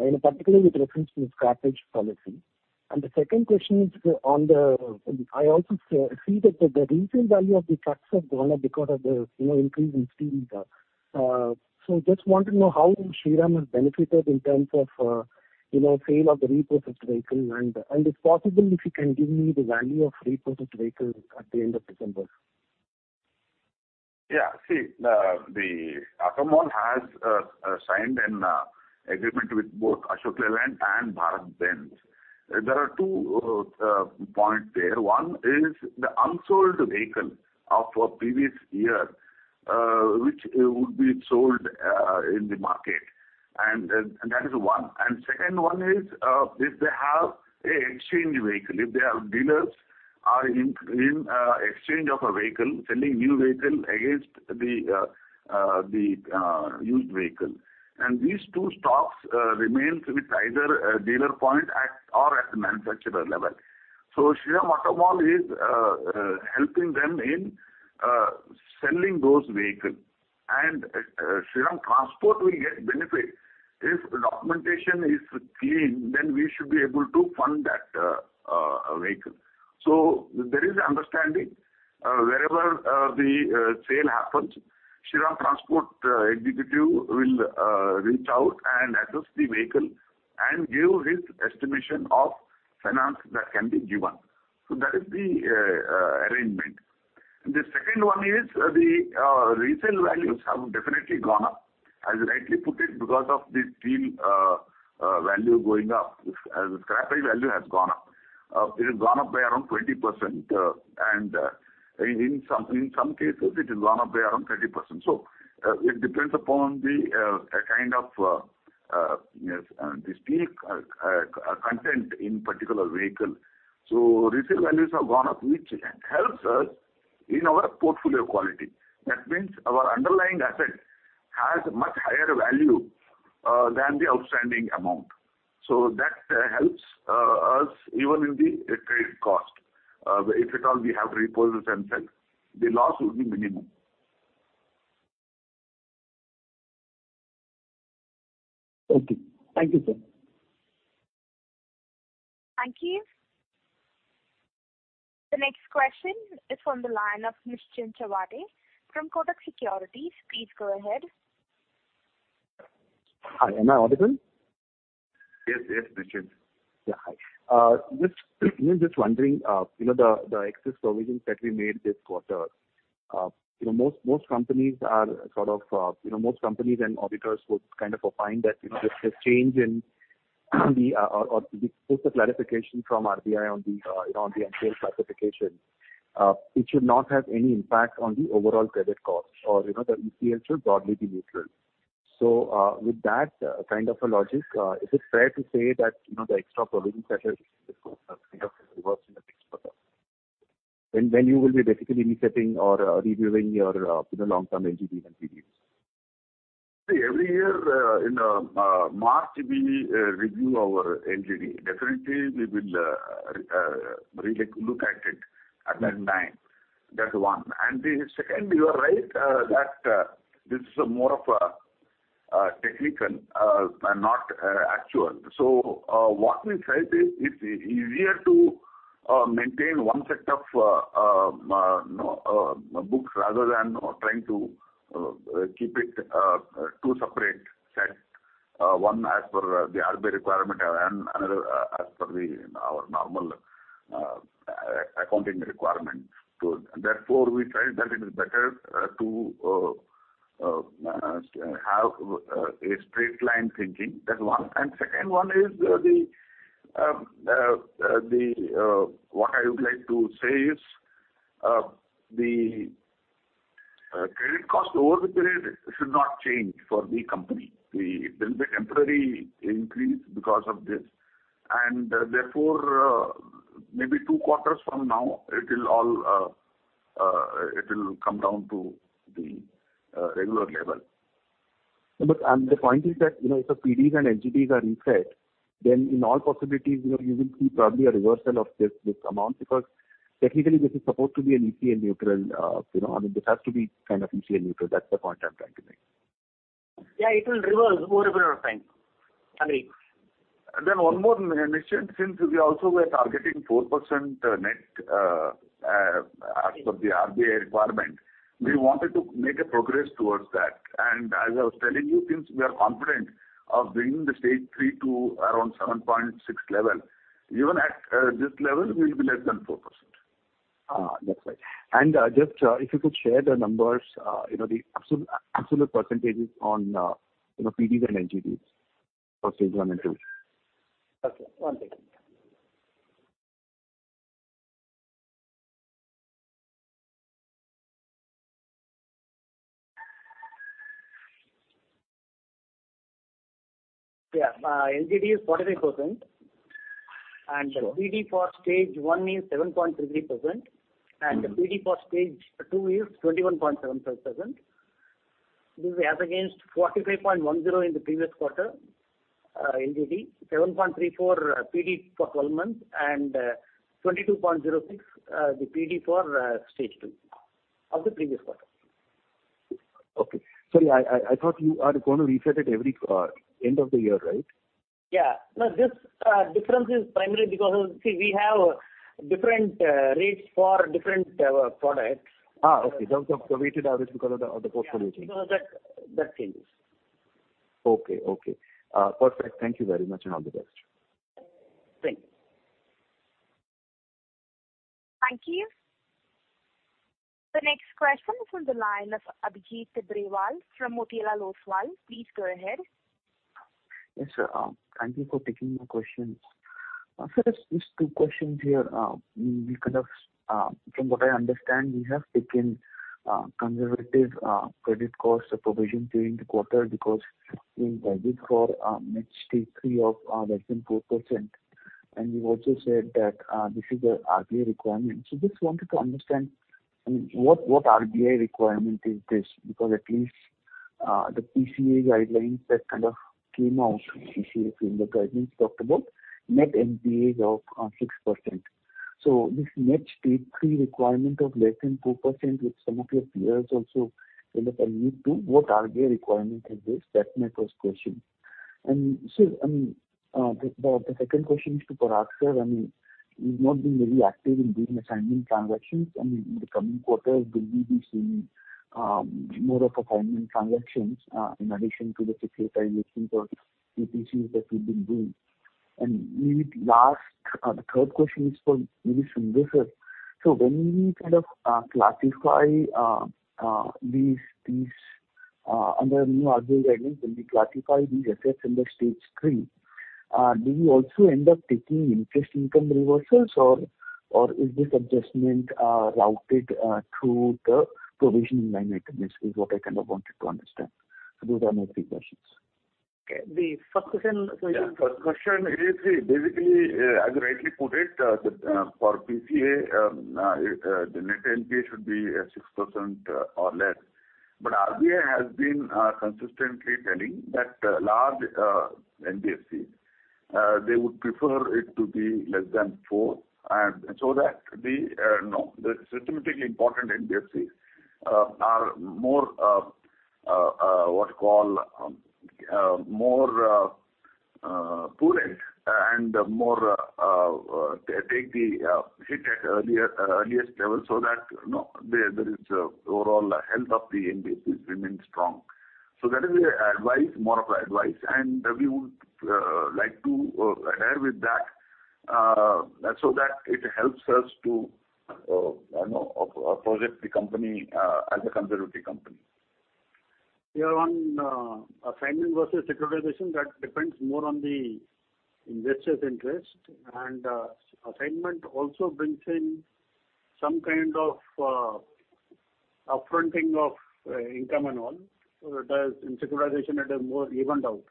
you know, particularly with reference to the scrappage policy. The second question is, I also see that the resale value of the trucks have gone up because of the, you know, increase in steel. Just want to know how Shriram has benefited in terms of, you know, sale of the repurposed vehicle. It's possible if you can give me the value of repurposed vehicles at the end of December. Yeah. See, the Automall has signed an agreement with both Ashok Leyland and BharatBenz. There are two points there. One is the unsold vehicle of the previous year, which would be sold in the market, and that is one. Second one is, if they have an exchange vehicle, if their dealers are in exchange of a vehicle, selling new vehicle against the used vehicle. These two stocks remain with either a dealer point or at the manufacturer level. Shriram Automall is helping them in selling those vehicle. Shriram Transport will get benefit. If documentation is clean, then we should be able to fund that vehicle. There is an understanding. Wherever the sale happens, Shriram Transport executive will reach out and assess the vehicle and give his estimation of finance that can be given. That is the arrangement. The second one is the resale values have definitely gone up, as rightly put it, because of the steel value going up. As scrappage value has gone up. It has gone up by around 20%, and in some cases it has gone up by around 30%. It depends upon the kind of the steel content in particular vehicle. Resale values have gone up, which helps us in our portfolio quality. That means our underlying asset has much higher value than the outstanding amount. That helps us even in the trade cost. If at all we have repurposed and sell, the loss will be minimum. Okay. Thank you, sir. Thank you. The next question is from the line of Nischint Chawathe from Kotak Securities. Please go ahead. Hi. Am I audible? Yes, yes, Nischint. Yeah. Hi. Just wondering, you know, the excess provisions that we made this quarter, you know, most companies and auditors would kind of opine that, you know, this change or this post of clarification from RBI on the NPA classification, it should not have any impact on the overall credit cost or, you know, the ECL should broadly be neutral. With that kind of a logic, is it fair to say that, you know, the extra provisions that are kind of reversed in the next quarter? When you will be basically resetting or reviewing your, you know, long-term LGD and PDs. Every year, in March we review our LGD. Definitely, we will really look at it at that time. That's one. The second, you are right, that this is more of technical and not actual. So, what we said is it's easier to maintain one set of you know books rather than trying to keep it two separate sets, one as per the RBI requirement and another as per our normal accounting requirement. So therefore, we try that it is better to have a straight line thinking. That's one. Second one is, the what I would like to say is, the credit cost over the period should not change for the company. There's a temporary increase because of this, and therefore, maybe two quarters from now, it will all come down to the regular level. The point is that, you know, if the PDs and LGDs are reset, then in all possibilities, you know, you will see probably a reversal of this amount. Because technically this is supposed to be an ECL neutral, you know, I mean, this has to be kind of ECL neutral. That's the point I'm trying to make. Yeah, it will reverse over a period of time. Agreed. One more, Nischint. Since we also were targeting 4% net. As per the RBI requirement, we wanted to make a progress towards that. As I was telling you, since we are confident of bringing Stage 3 to around 7.6% level, even at this level will be less than 4%. That's right. Just if you could share the numbers, you know, the absolute percentages on, you know, PDs and LGDs Stage 1 and 2. Okay. One second. LGD is 43%. Sure. The PD Stage 1 is 7.33%, and the PD for Stage 2 is 21.75%. This is as against 45.10% in the previous quarter LGD, 7.34%, PD for 12 months, and 22.06% the PD for Stage 2 of the previous quarter. Okay. Sorry, I thought you are gonna reset it every end of the year, right? Yeah. No, this difference is primarily because, see, we have different rates for different products. Okay. Because of the weighted average of the portfolio change. Yeah. That changes. Okay. Perfect. Thank you very much, and all the best. Thanks. Thank you. The next question is from the line of Abhijit Tibrewal from Motilal Oswal. Please go ahead. Yes. Thank you for taking my questions. First, just two questions here. We kind of, from what I understand, we have taken conservative credit cost provision during the quarter because we budget for net Stage 3 of less than 4%. You also said that this is an RBI requirement. Just wanted to understand, I mean, what RBI requirement is this? Because at least the PCA guidelines that kind of came out, PCA framework guidelines talked about net NPAs of 6%. This net Stage 3 requirement of less than 2%, which some of your peers also kind of allude to, what RBI requirement is this? That's my first question. Sir, the second question is to Parag, sir. I mean, you've not been very active in doing assignment transactions. I mean, in the coming quarters, will we be seeing more of assignment transactions in addition to the securitizations or PTCs that you've been doing? Maybe last, the third question is for maybe Sunder sir. When we kind of classify these assets in Stage 3, do you also end up taking interest income reversals, or is this adjustment routed through the provisioning line item? This is what I kind of wanted to understand. Those are my three questions. Okay. The first question— Yeah. First question is, basically, as rightly put it, for PCA, the net NPA should be 6% or less. RBI has been consistently telling that large NBFCs they would prefer it to be less than 4%. Systemically important NBFCs are more, what you call, prudent and more take the hit at earliest level so that, you know, there is overall health of the NBFCs remains strong. That is advice, more of advice. We would like to adhere with that so that it helps us to, you know, project the company as a conservative company. Yeah. On assignment versus securitization, that depends more on the investor's interest. Assignment also brings in some kind of up-fronting of income and all. It does. In securitization, it is more evened out,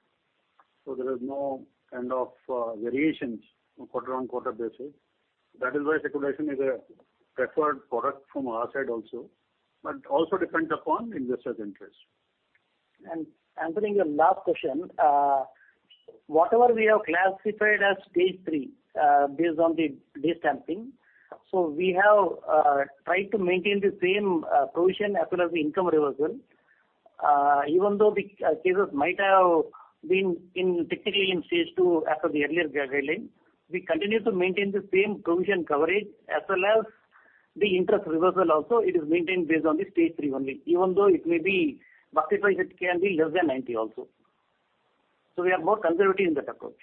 so there is no kind of variations quarter-on-quarter basis. That is why securitization is a preferred product from our side also, but also depends upon investors' interest. Answering your last question, whatever we have classified Stage 3 based on the date stamping, we have tried to maintain the same provision as well as the income reversal. Even though the cases might have been in, technically in Stage 2 as per the earlier guideline, we continue to maintain the same provision coverage as well as the interest reversal also. It is maintained based on Stage 3 only. Even though it may be, market-wise it can be less than 90 also. We are more conservative in that approach.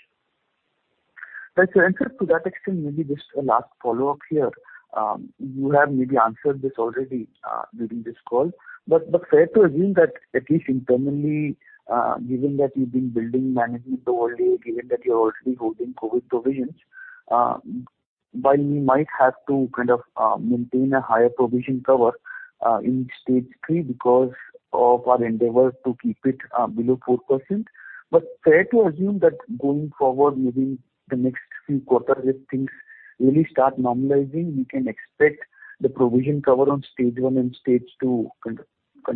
Right. Answer to that extent, maybe just a last follow-up here. You have maybe answered this already during this call, but fair to assume that at least internally, given that you've been building management overlay, given that you're already holding COVID provisions, while you might have to kind of maintain a higher provision cover Stage 3 because of our endeavor to keep it below 4%. Fair to assume that going forward, maybe the next few quarters, if things really start normalizing, we can expect the provision cover Stage 1 and Stage 2 kind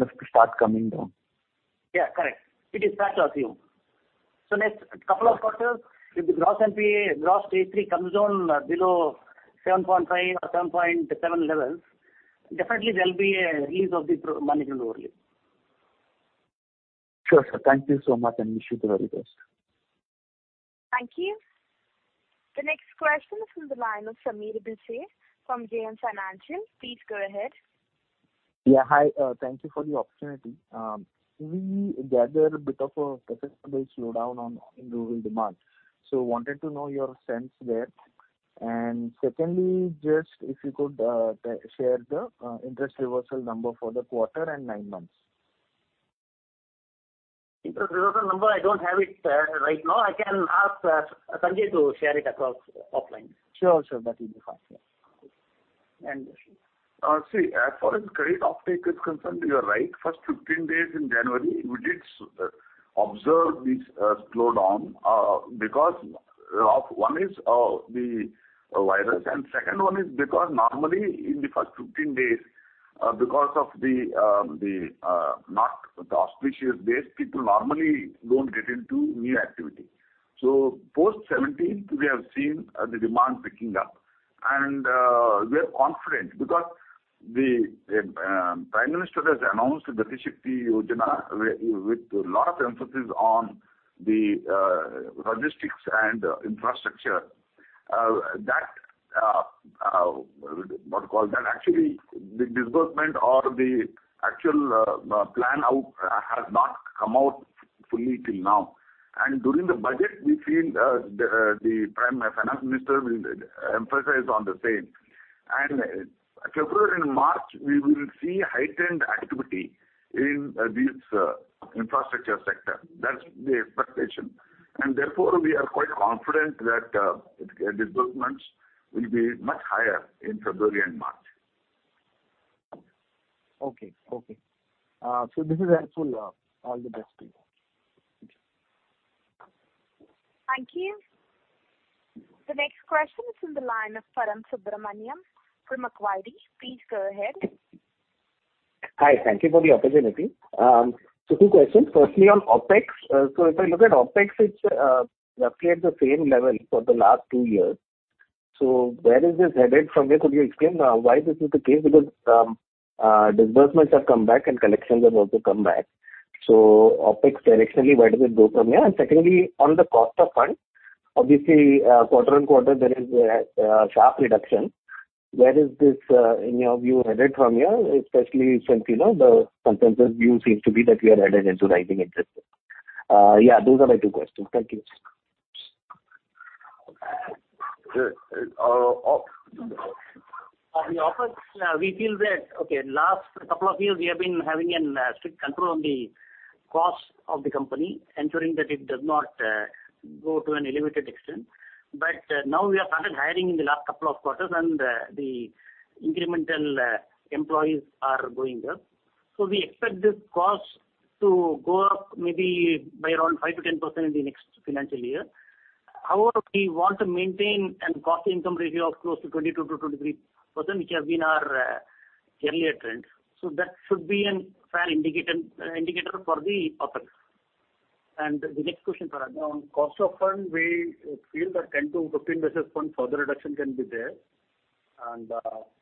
of to start coming down. Yeah. Correct. It is fair to assume. Next couple of quarters, if the gross NPA, Stage 3 comes down below 7.5% or 7.7% levels, definitely there'll be a release of the management overlay. Sure, sir. Thank you so much, and wish you the very best. Thank you. The next question is from the line of Sameer Bhise from JM Financial. Please go ahead. Yeah, hi. Thank you for the opportunity. We gather a bit of a considerable slowdown in rural demand, so wanted to know your sense there. Secondly, just if you could share the interest reversal number for the quarter and nine months. Interest reversal number, I don't have it right now. I can ask Sanjay to share it across offline. Sure, sure. That will be fine. Yeah. Okay. And— See, as far as credit uptake is concerned, you are right. First 15 days in January, we did observe this slowdown because one is the virus and second one is because normally in the first 15 days because of the not auspicious days, people normally don't get into new activity. Post 17th, we have seen the demand picking up. We are confident because the Prime Minister has announced PM Gati Shakti with a lot of emphasis on the logistics and infrastructure. That, what you call that? Actually, the disbursement or the actual play out has not come out fully till now. During the budget, we feel the Finance Minister will emphasize on the same. February and March, we will see heightened activity in this infrastructure sector. That's the expectation. Therefore, we are quite confident that disbursements will be much higher in February and March. Okay. This is helpful. All the best to you. Thank you. Thank you. The next question is from the line of Param Subramanian from Macquarie. Please go ahead. Hi. Thank you for the opportunity. So two questions. Firstly, on OpEx. So if I look at OpEx, it's roughly at the same level for the last two years. So where is this headed from here? Could you explain why this is the case? Because disbursements have come back and collections have also come back. So OpEx directionally, where does it go from here? And secondly, on the cost of funds, obviously quarter-on-quarter there is a sharp reduction. Where is this, in your view, headed from here, especially since you know the consensus view seems to be that we are headed into rising interest rates? Yeah, those are my two questions. Thank you. On the OpEx, we feel that. Okay, last couple of years we have been having a strict control on the costs of the company, ensuring that it does not go to an elevated extent. Now we have started hiring in the last couple of quarters and the incremental employees are going up. We expect this cost to go up maybe by around 5%-10% in the next financial year. However, we want to maintain a cost income ratio of close to 22%-23%, which has been our earlier trend. That should be a fair indicator for the OpEx. The next question, Parag. On cost of fund, we feel that 10 basis points-15 basis points further reduction can be there.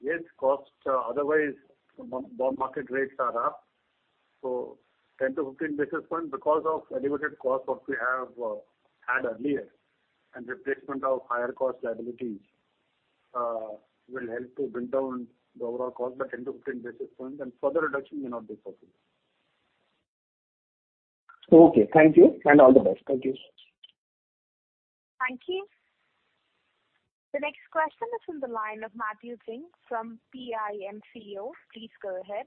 Yes, costs otherwise bond market rates are up. So, 10 basis points-15 basis points because of elevated costs that we have had earlier and replacement of higher cost liabilities will help to bring down the overall cost by 10 basis points-15 basis points, and further reduction may not be possible. Okay, thank you. All the best. Thank you. Thank you. The next question is from the line of Matthew [Ching] from PIMCO. Please go ahead.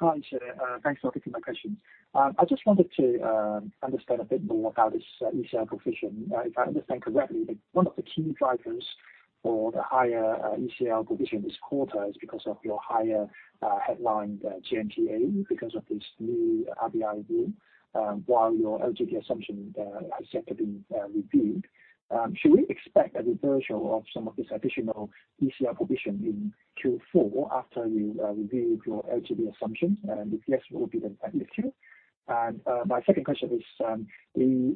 Hi, sir. Thanks for taking my question. I just wanted to understand a bit more about this ECL provision. If I understand correctly, one of the key drivers for the higher ECL provision this quarter is because of your higher headline GNPA because of this new RBI rule, while your LGD assumption is yet to be reviewed. Should we expect a reversal of some of this additional ECL provision in Q4 after you review your LGD assumptions? And if yes, what would be the magnitude? And my second question is,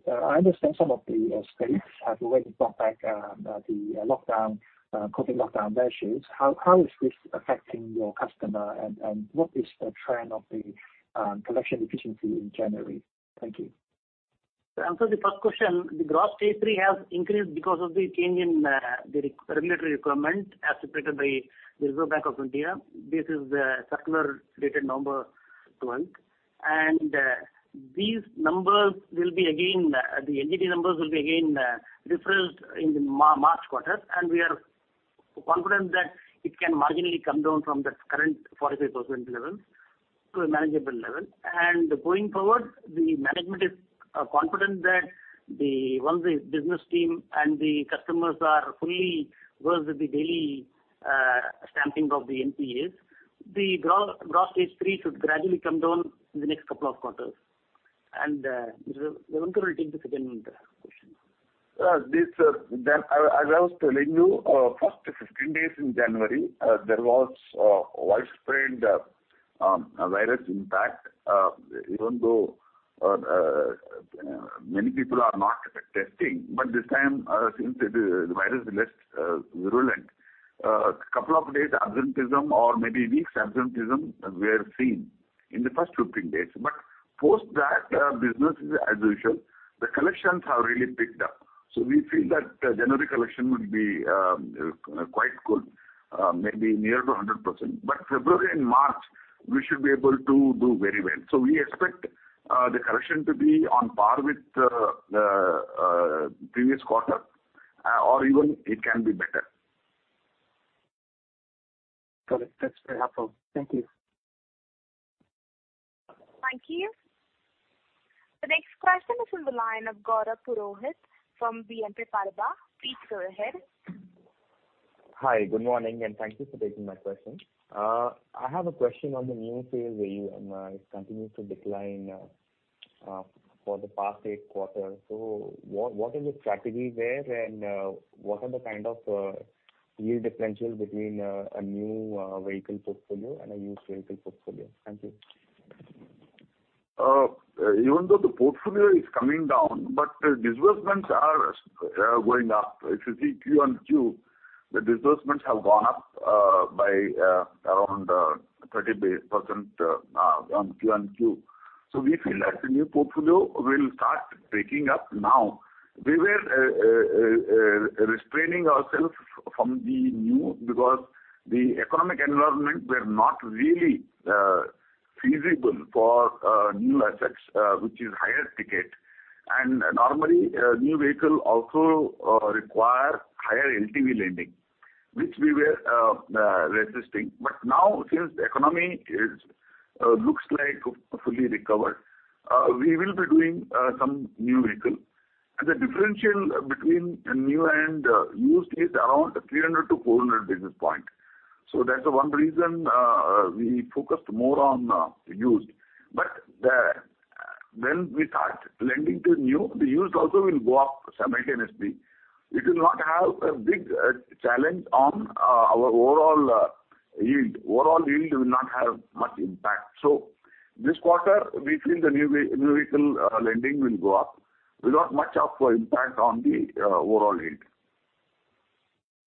I understand some of the states have already brought back the lockdown COVID lockdown measures. How is this affecting your customer and what is the trend of the collection efficiency in January? Thank you. To answer the first question, the Stage 3 has increased because of the change in the regulatory requirement as dictated by the Reserve Bank of India. This is the circular dated November 12. These numbers, the LGD numbers, will be again revised in the March quarter. We are confident that it can marginally come down from the current 45% levels to a manageable level. Going forward, the management is confident that once the business team and the customers are fully versed with the daily stamping of the NPAs, the Stage 3 should gradually come down in the next couple of quarters. Mr. Revankar will take the second question. As I was telling you, first 15 days in January, there was a widespread virus impact. Even though many people are not testing, but this time, since the virus is less virulent, couple of days absenteeism or maybe weeks absenteeism were seen in the first two, three days. Post that, business is as usual. The collections have really picked up. We feel that January collection would be quite good, maybe near to 100%. February and March we should be able to do very well. We expect the collection to be on par with the previous quarter, or even it can be better. Got it. That's very helpful. Thank you. Thank you. The next question is from the line of Gaurav Purohit from BNP Paribas. Please go ahead. Hi. Good morning, and thank you for taking my question. I have a question on the new sales where it continues to decline for the past eight quarters. What is the strategy there and what are the kind of yield differential between a new vehicle portfolio and a used vehicle portfolio? Thank you. Even though the portfolio is coming down, but disbursements are going up. If you see QoQ, the disbursements have gone up by around 30% on QoQ. We feel that the new portfolio will start picking up now. We were restraining ourselves from the new because the economic environment was not really feasible for new assets, which is higher ticket. Normally, new vehicle also require higher LTV lending, which we were resisting. Now since the economy looks like fully recovered, we will be doing some new vehicle. The differential between a new and used is around 300 basis points-400 basis points. That's the one reason we focused more on used. When we start lending to new, the used also will go up simultaneously. It will not have a big challenge on our overall yield. Overall yield will not have much impact. This quarter we feel the new vehicle lending will go up without much of impact on the overall yield.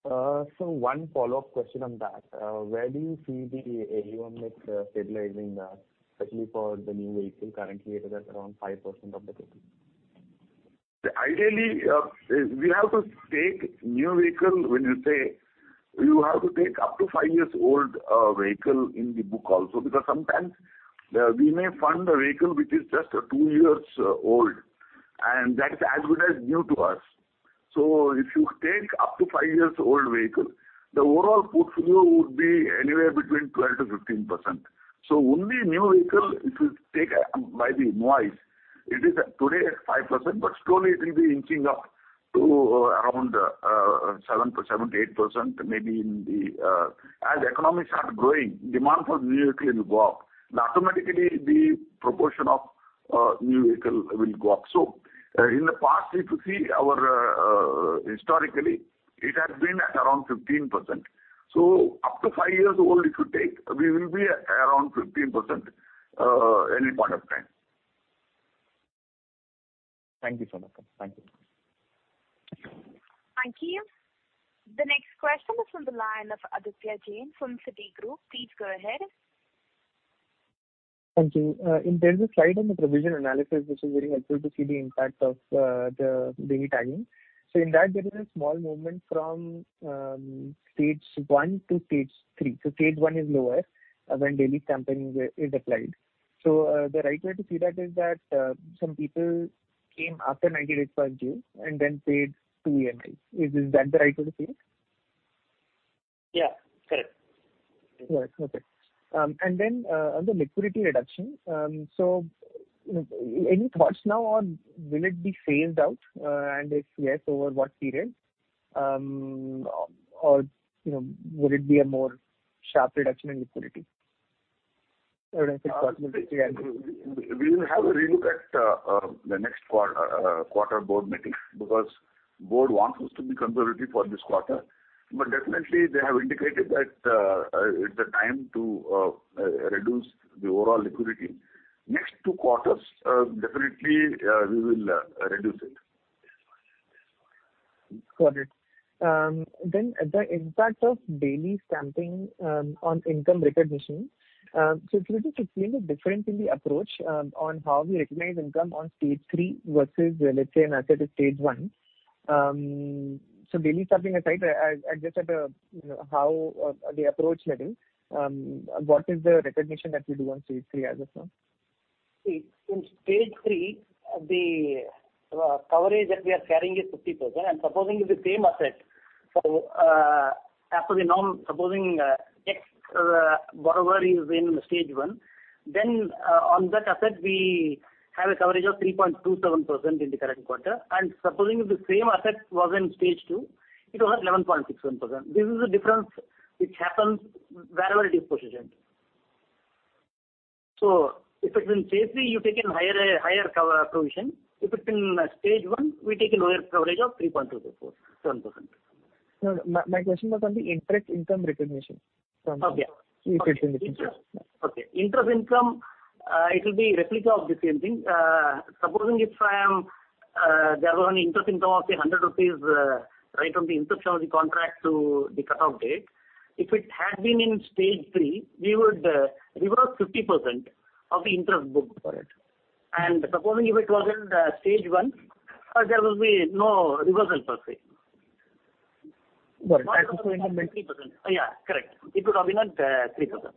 One follow-up question on that. Where do you see the AUM net stabilizing, especially for the new vehicle? Currently it is at around 5% of the total. Ideally, we have to take new vehicle when you say you have to take up to five-year-old vehicles in the book also, because sometimes we may fund a vehicle which is just two years old and that's as good as new to us. If you take up to five years old vehicle, the overall portfolio would be anywhere between 12%-15%. Only new vehicle if you take by the book, it is today at 5%, but slowly it will be inching up to around 7%-8% maybe in the—as the economy starts growing, demand for new vehicle will go up. Automatically the proportion of new vehicle will go up. In the past if you see our historically it has been at around 15%. Up to five years old if you take, we will be around 15%, any point of time. Thank you so much. Thank you. Thank you. The next question is from the line of Aditya Jain from Citigroup. Please go ahead. Thank you. There's a slide on the provision analysis which is very helpful to see the impact of the daily tagging. In that there is a small movement stage 3. Stage 1 is lower when daily tagging is applied. The right way to see that is that some people came after 90 days past due and then paid two EMIs. Is that the right way to see it? Yeah, correct. Right. Okay. On the liquidity reduction, any thoughts now on will it be phased out? If yes, over what period? You know, would it be a more sharp reduction in liquidity? We will have a relook at the next quarter board meeting because the Board wants us to be conservative for this quarter. Definitely they have indicated that it's the time to reduce the overall liquidity. Next two quarters, definitely, we will reduce it. Got it. The impact of daily stamping on income recognition. It seems a difference in the approach on how we recognize income on Stage 3 versus, let's say, an asset Stage 1. Daily stamping aside, just at a, you know, how the approach maybe, what is the recognition that we do on Stage 3 as of now? See, on Stage 3, the coverage that we are carrying is 50%. Supposing the same asset, as per the norm, a borrower is Stage 1, then on that asset we have a coverage of 3.27% in the current quarter. Supposing the same asset was in Stage 2, it was 11.67%. This is the difference which happens wherever it is positioned. If it's Stage 3, you take a higher-cover provision. If it's Stage 1, we take a lower coverage of 3.27%. No, my question was on the interest income recognition from— Interest income, it will be replica of the same thing. Supposing there was an interest income of say 100 rupees, right from the inception of the contract to the cut-off date. If it had been in Stage 3, we would reverse 50% of the interest booked for it. Supposing if it was in Stage 1, there will be no reversal for it. Got it. Yeah, correct. It would have been at 3%.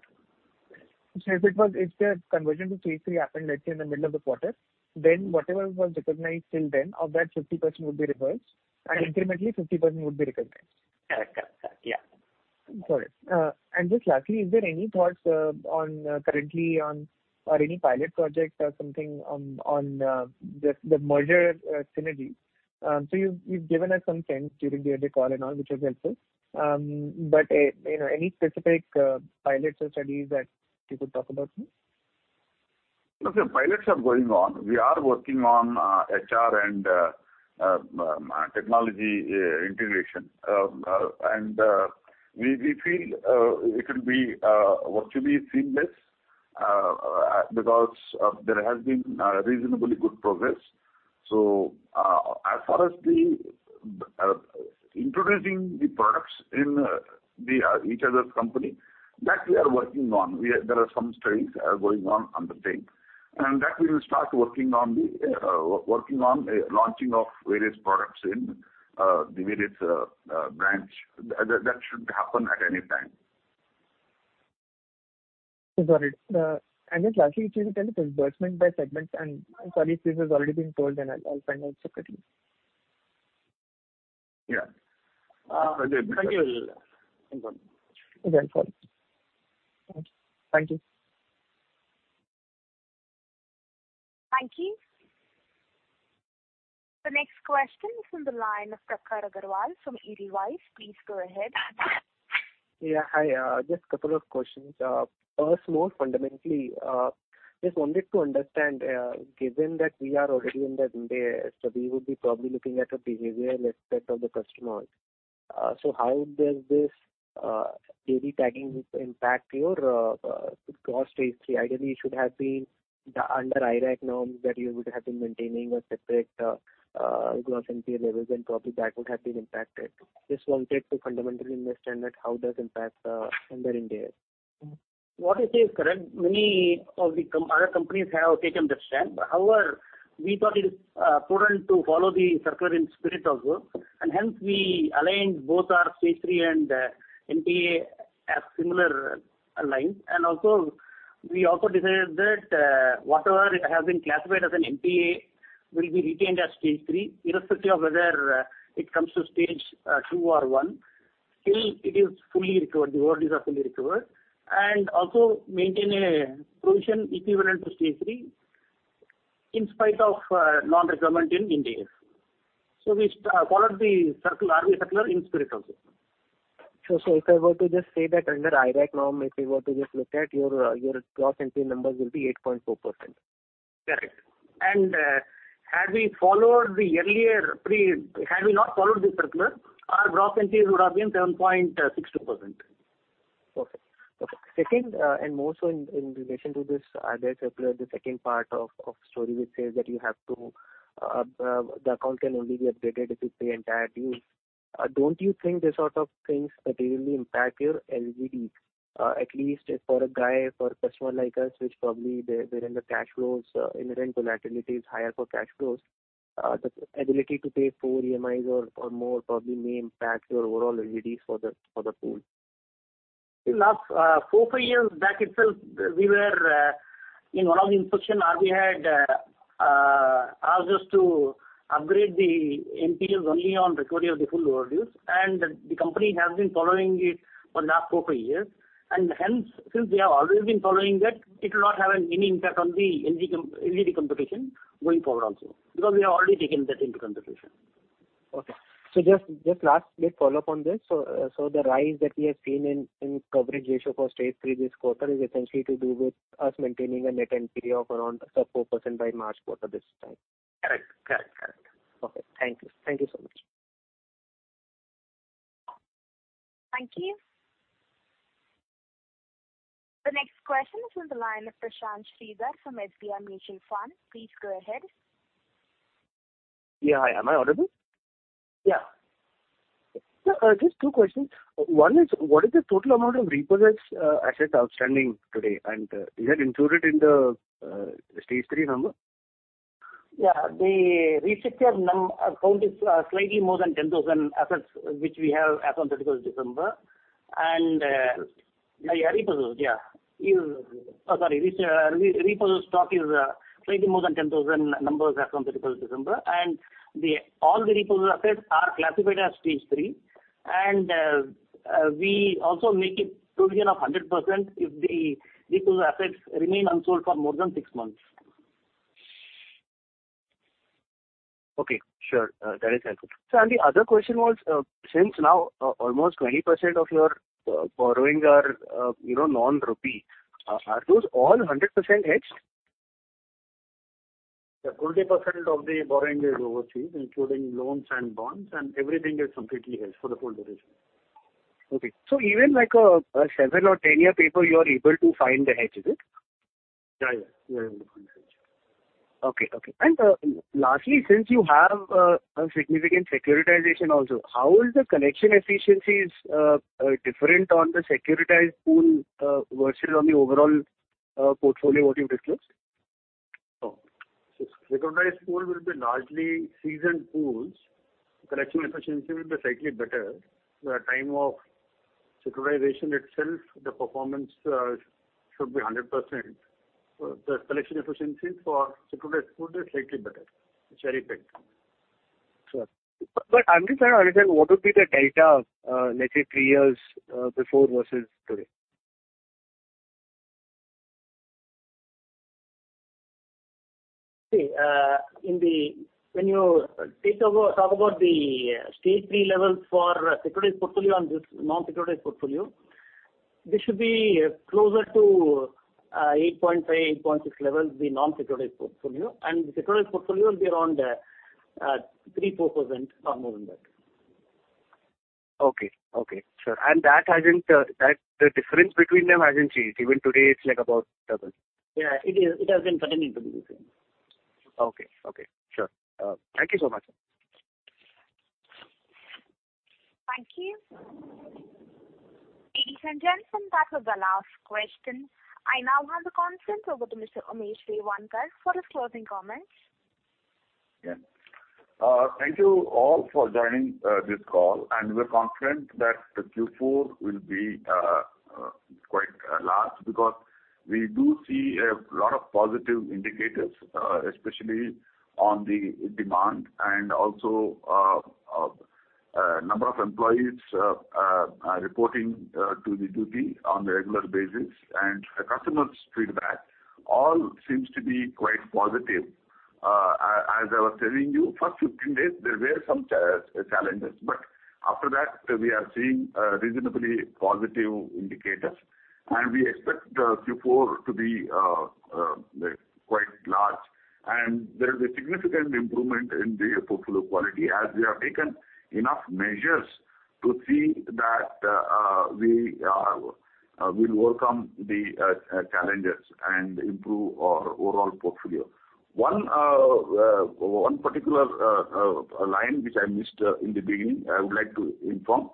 If it was, if the conversion Stage 3 happened, let's say in the middle of the quarter, then whatever was recognized till then, of that 50% would be reversed and incrementally 50% would be recognized. Correct. Yeah. Got it. Just lastly, is there any thoughts on the current one or any pilot project or something on the merger synergy? You've given us some sense during the earlier call and all which was helpful. You know, any specific pilots or studies that you could talk about here? Look, the pilots are going on. We are working on HR and technology integration. We feel it will be virtually seamless because there has been a reasonably good progress. As far as introducing the products in each other's company, that we are working on. There are some studies going on the same. That we will start working on launching of various products in the various branch. That should happen at any time. Got it. Just lastly, could you tell us disbursement by segments, and sorry if this has already been told, then I'll find out separately. Yeah. Sanjay will inform. Thank you. Thank you so much. Thank you. The next question is from the line of Prakhar Agrawal from Edelweiss. Please go ahead. Yeah, hi. Just a couple of questions. First, more fundamentally, just wanted to understand, given that we are already in the NPA, so we would be probably looking at the behavior aspect of the customers. How does this daily tagging impact your Stage 3? Ideally it should have been the under IRAC norm that you would have been maintaining a separate gross NPA levels and probably that would have been impacted. Just wanted to fundamentally understand that how it does impact under Ind AS. What you say is correct. Many of the other companies have taken that stand. However, we thought it is prudent to follow the circular in spirit also. Hence we aligned both Stage 3 and NPA along similar lines. Also we decided that whatever has been classified as an NPA will be retained as Stage 3, irrespective of whether it comes to Stage 2 or 1. Still it is fully recovered. The overdue is fully recovered. Also maintain a provision equivalent Stage 3, in spite of non-requirement in NPAs. We followed the circular, RBI circular in spirit also. If I were to just say that under IRAC norm, if we were to just look at your gross NPA numbers will be 8.4%. Correct. Had we not followed this circular, our gross NPAs would have been 7.62%. Second, and more so in relation to this, the circular, the second part of story which says that you have to, the account can only be updated if you pay entire dues. Don't you think these sort of things materially impact your LTV? At least for a guy, for a customer like us, which probably they're in the cash flows, inherent volatility is higher for cash flows. The ability to pay four EMIs or more probably may impact your overall LTV for the pool. In last four to five years back itself, we were in one of the inspection, RBI had asked us to upgrade the NPAs only on recovery of the full overdue. The company has been following it for last four to five years. Since we have already been following that, it will not have any impact on the LGD computation going forward also, because we have already taken that into computation. Okay. Just last bit follow-up on this. The rise that we have seen in coverage ratio Stage 3 this quarter is essentially to do with us maintaining a net NPA of around sub 4% by March quarter this time. Correct. Okay. Thank you. Thank you so much. Thank you. The next question is from the line of Prashanth Sridhar from SBI Mutual Fund. Please go ahead. Yeah. Hi. Am I audible? Yeah. Sir, just two questions. One is, what is the total amount of repossessed assets outstanding today? Is that included in Stage 3 number? Yeah. The restructured account is slightly more than 10,000 assets which we have as on 30th December. Repossessed, yeah. Repossessed stock is slightly more than 10,000 numbers as on 30th December. All the repossessed assets are classified as Stage 3. We also make a provision of 100% if the repossessed assets remain unsold for more than six months. Okay, sure. That is helpful. Sir, the other question was, since now almost 20% of your borrowing are, you know, non-rupee, are those all 100% hedged? The full deposit of the borrowing is overseas, including loans and bonds, and everything is completely hedged for the whole duration. Okay. Even like a seven or 10-year paper, you are able to find the hedge, is it? Yeah, yeah. We are able to find the hedge. Okay, okay. Largely, since you have a significant securitization also, how is the collection efficiencies different on the securitized pool versus on the overall portfolio what you've disclosed? Oh. Securitized pool will be largely seasoned pools. Collection efficiency will be slightly better. The time of securitization itself, the performance, should be 100%. The collection efficiency for securitized pool is slightly better. It's very effective. Sure. I'm just trying to understand what would be the delta, let's say three years, before versus today. When you talk about Stage 3 levels for securitized portfolio and this non-securitized portfolio, this should be closer to 8.5%-8.6% levels, the non-securitized portfolio, and the securitized portfolio will be around 3%-4% or more than that. Okay. Okay, sure. The difference between them hasn't changed. Even today it's like about double. Yeah, it is. It has been continuing to be the same. Okay. Okay, sure. Thank you so much. Thank you. Ladies and gentlemen, that was the last question. I now hand the conference over to Mr. Umesh Revankar for his closing comments. Yes. Thank you all for joining this call, and we're confident that the Q4 will be quite large because we do see a lot of positive indicators, especially on the demand and also number of employees reporting to the duty on a regular basis and the customers' feedback all seems to be quite positive. As I was telling you, first 15 days there were some challenges, but after that we are seeing reasonably positive indicators and we expect Q4 to be quite large. There is a significant improvement in the portfolio quality as we have taken enough measures to see that we will overcome the challenges and improve our overall portfolio. One particular line which I missed in the beginning, I would like to inform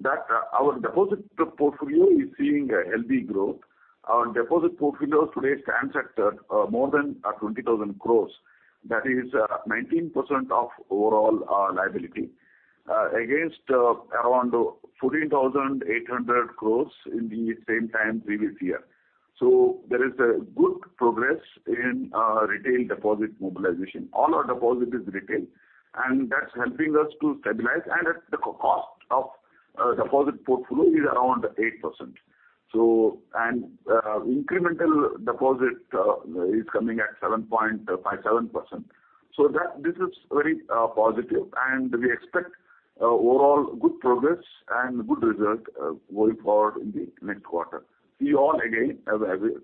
that our deposit portfolio is seeing a healthy growth. Our deposit portfolio today stands at more than 20,000 crore. That is 19% of overall liability against around 14,800 crore in the same time previous year. There is a good progress in retail deposit mobilization. All our deposit is retail, and that's helping us to stabilize and at the cost of deposit portfolio is around 8%. Incremental deposit is coming at 7.57%. That this is very positive and we expect overall good progress and good result going forward in the next quarter. See you all again in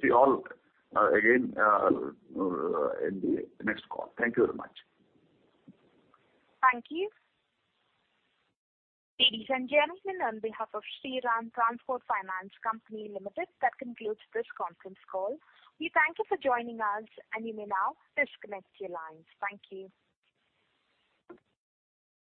the next call. Thank you very much. Thank you. Ladies and gentlemen, on behalf of Shriram Transport Finance Company Limited, that concludes this conference call. We thank you for joining us, and you may now disconnect your lines. Thank you.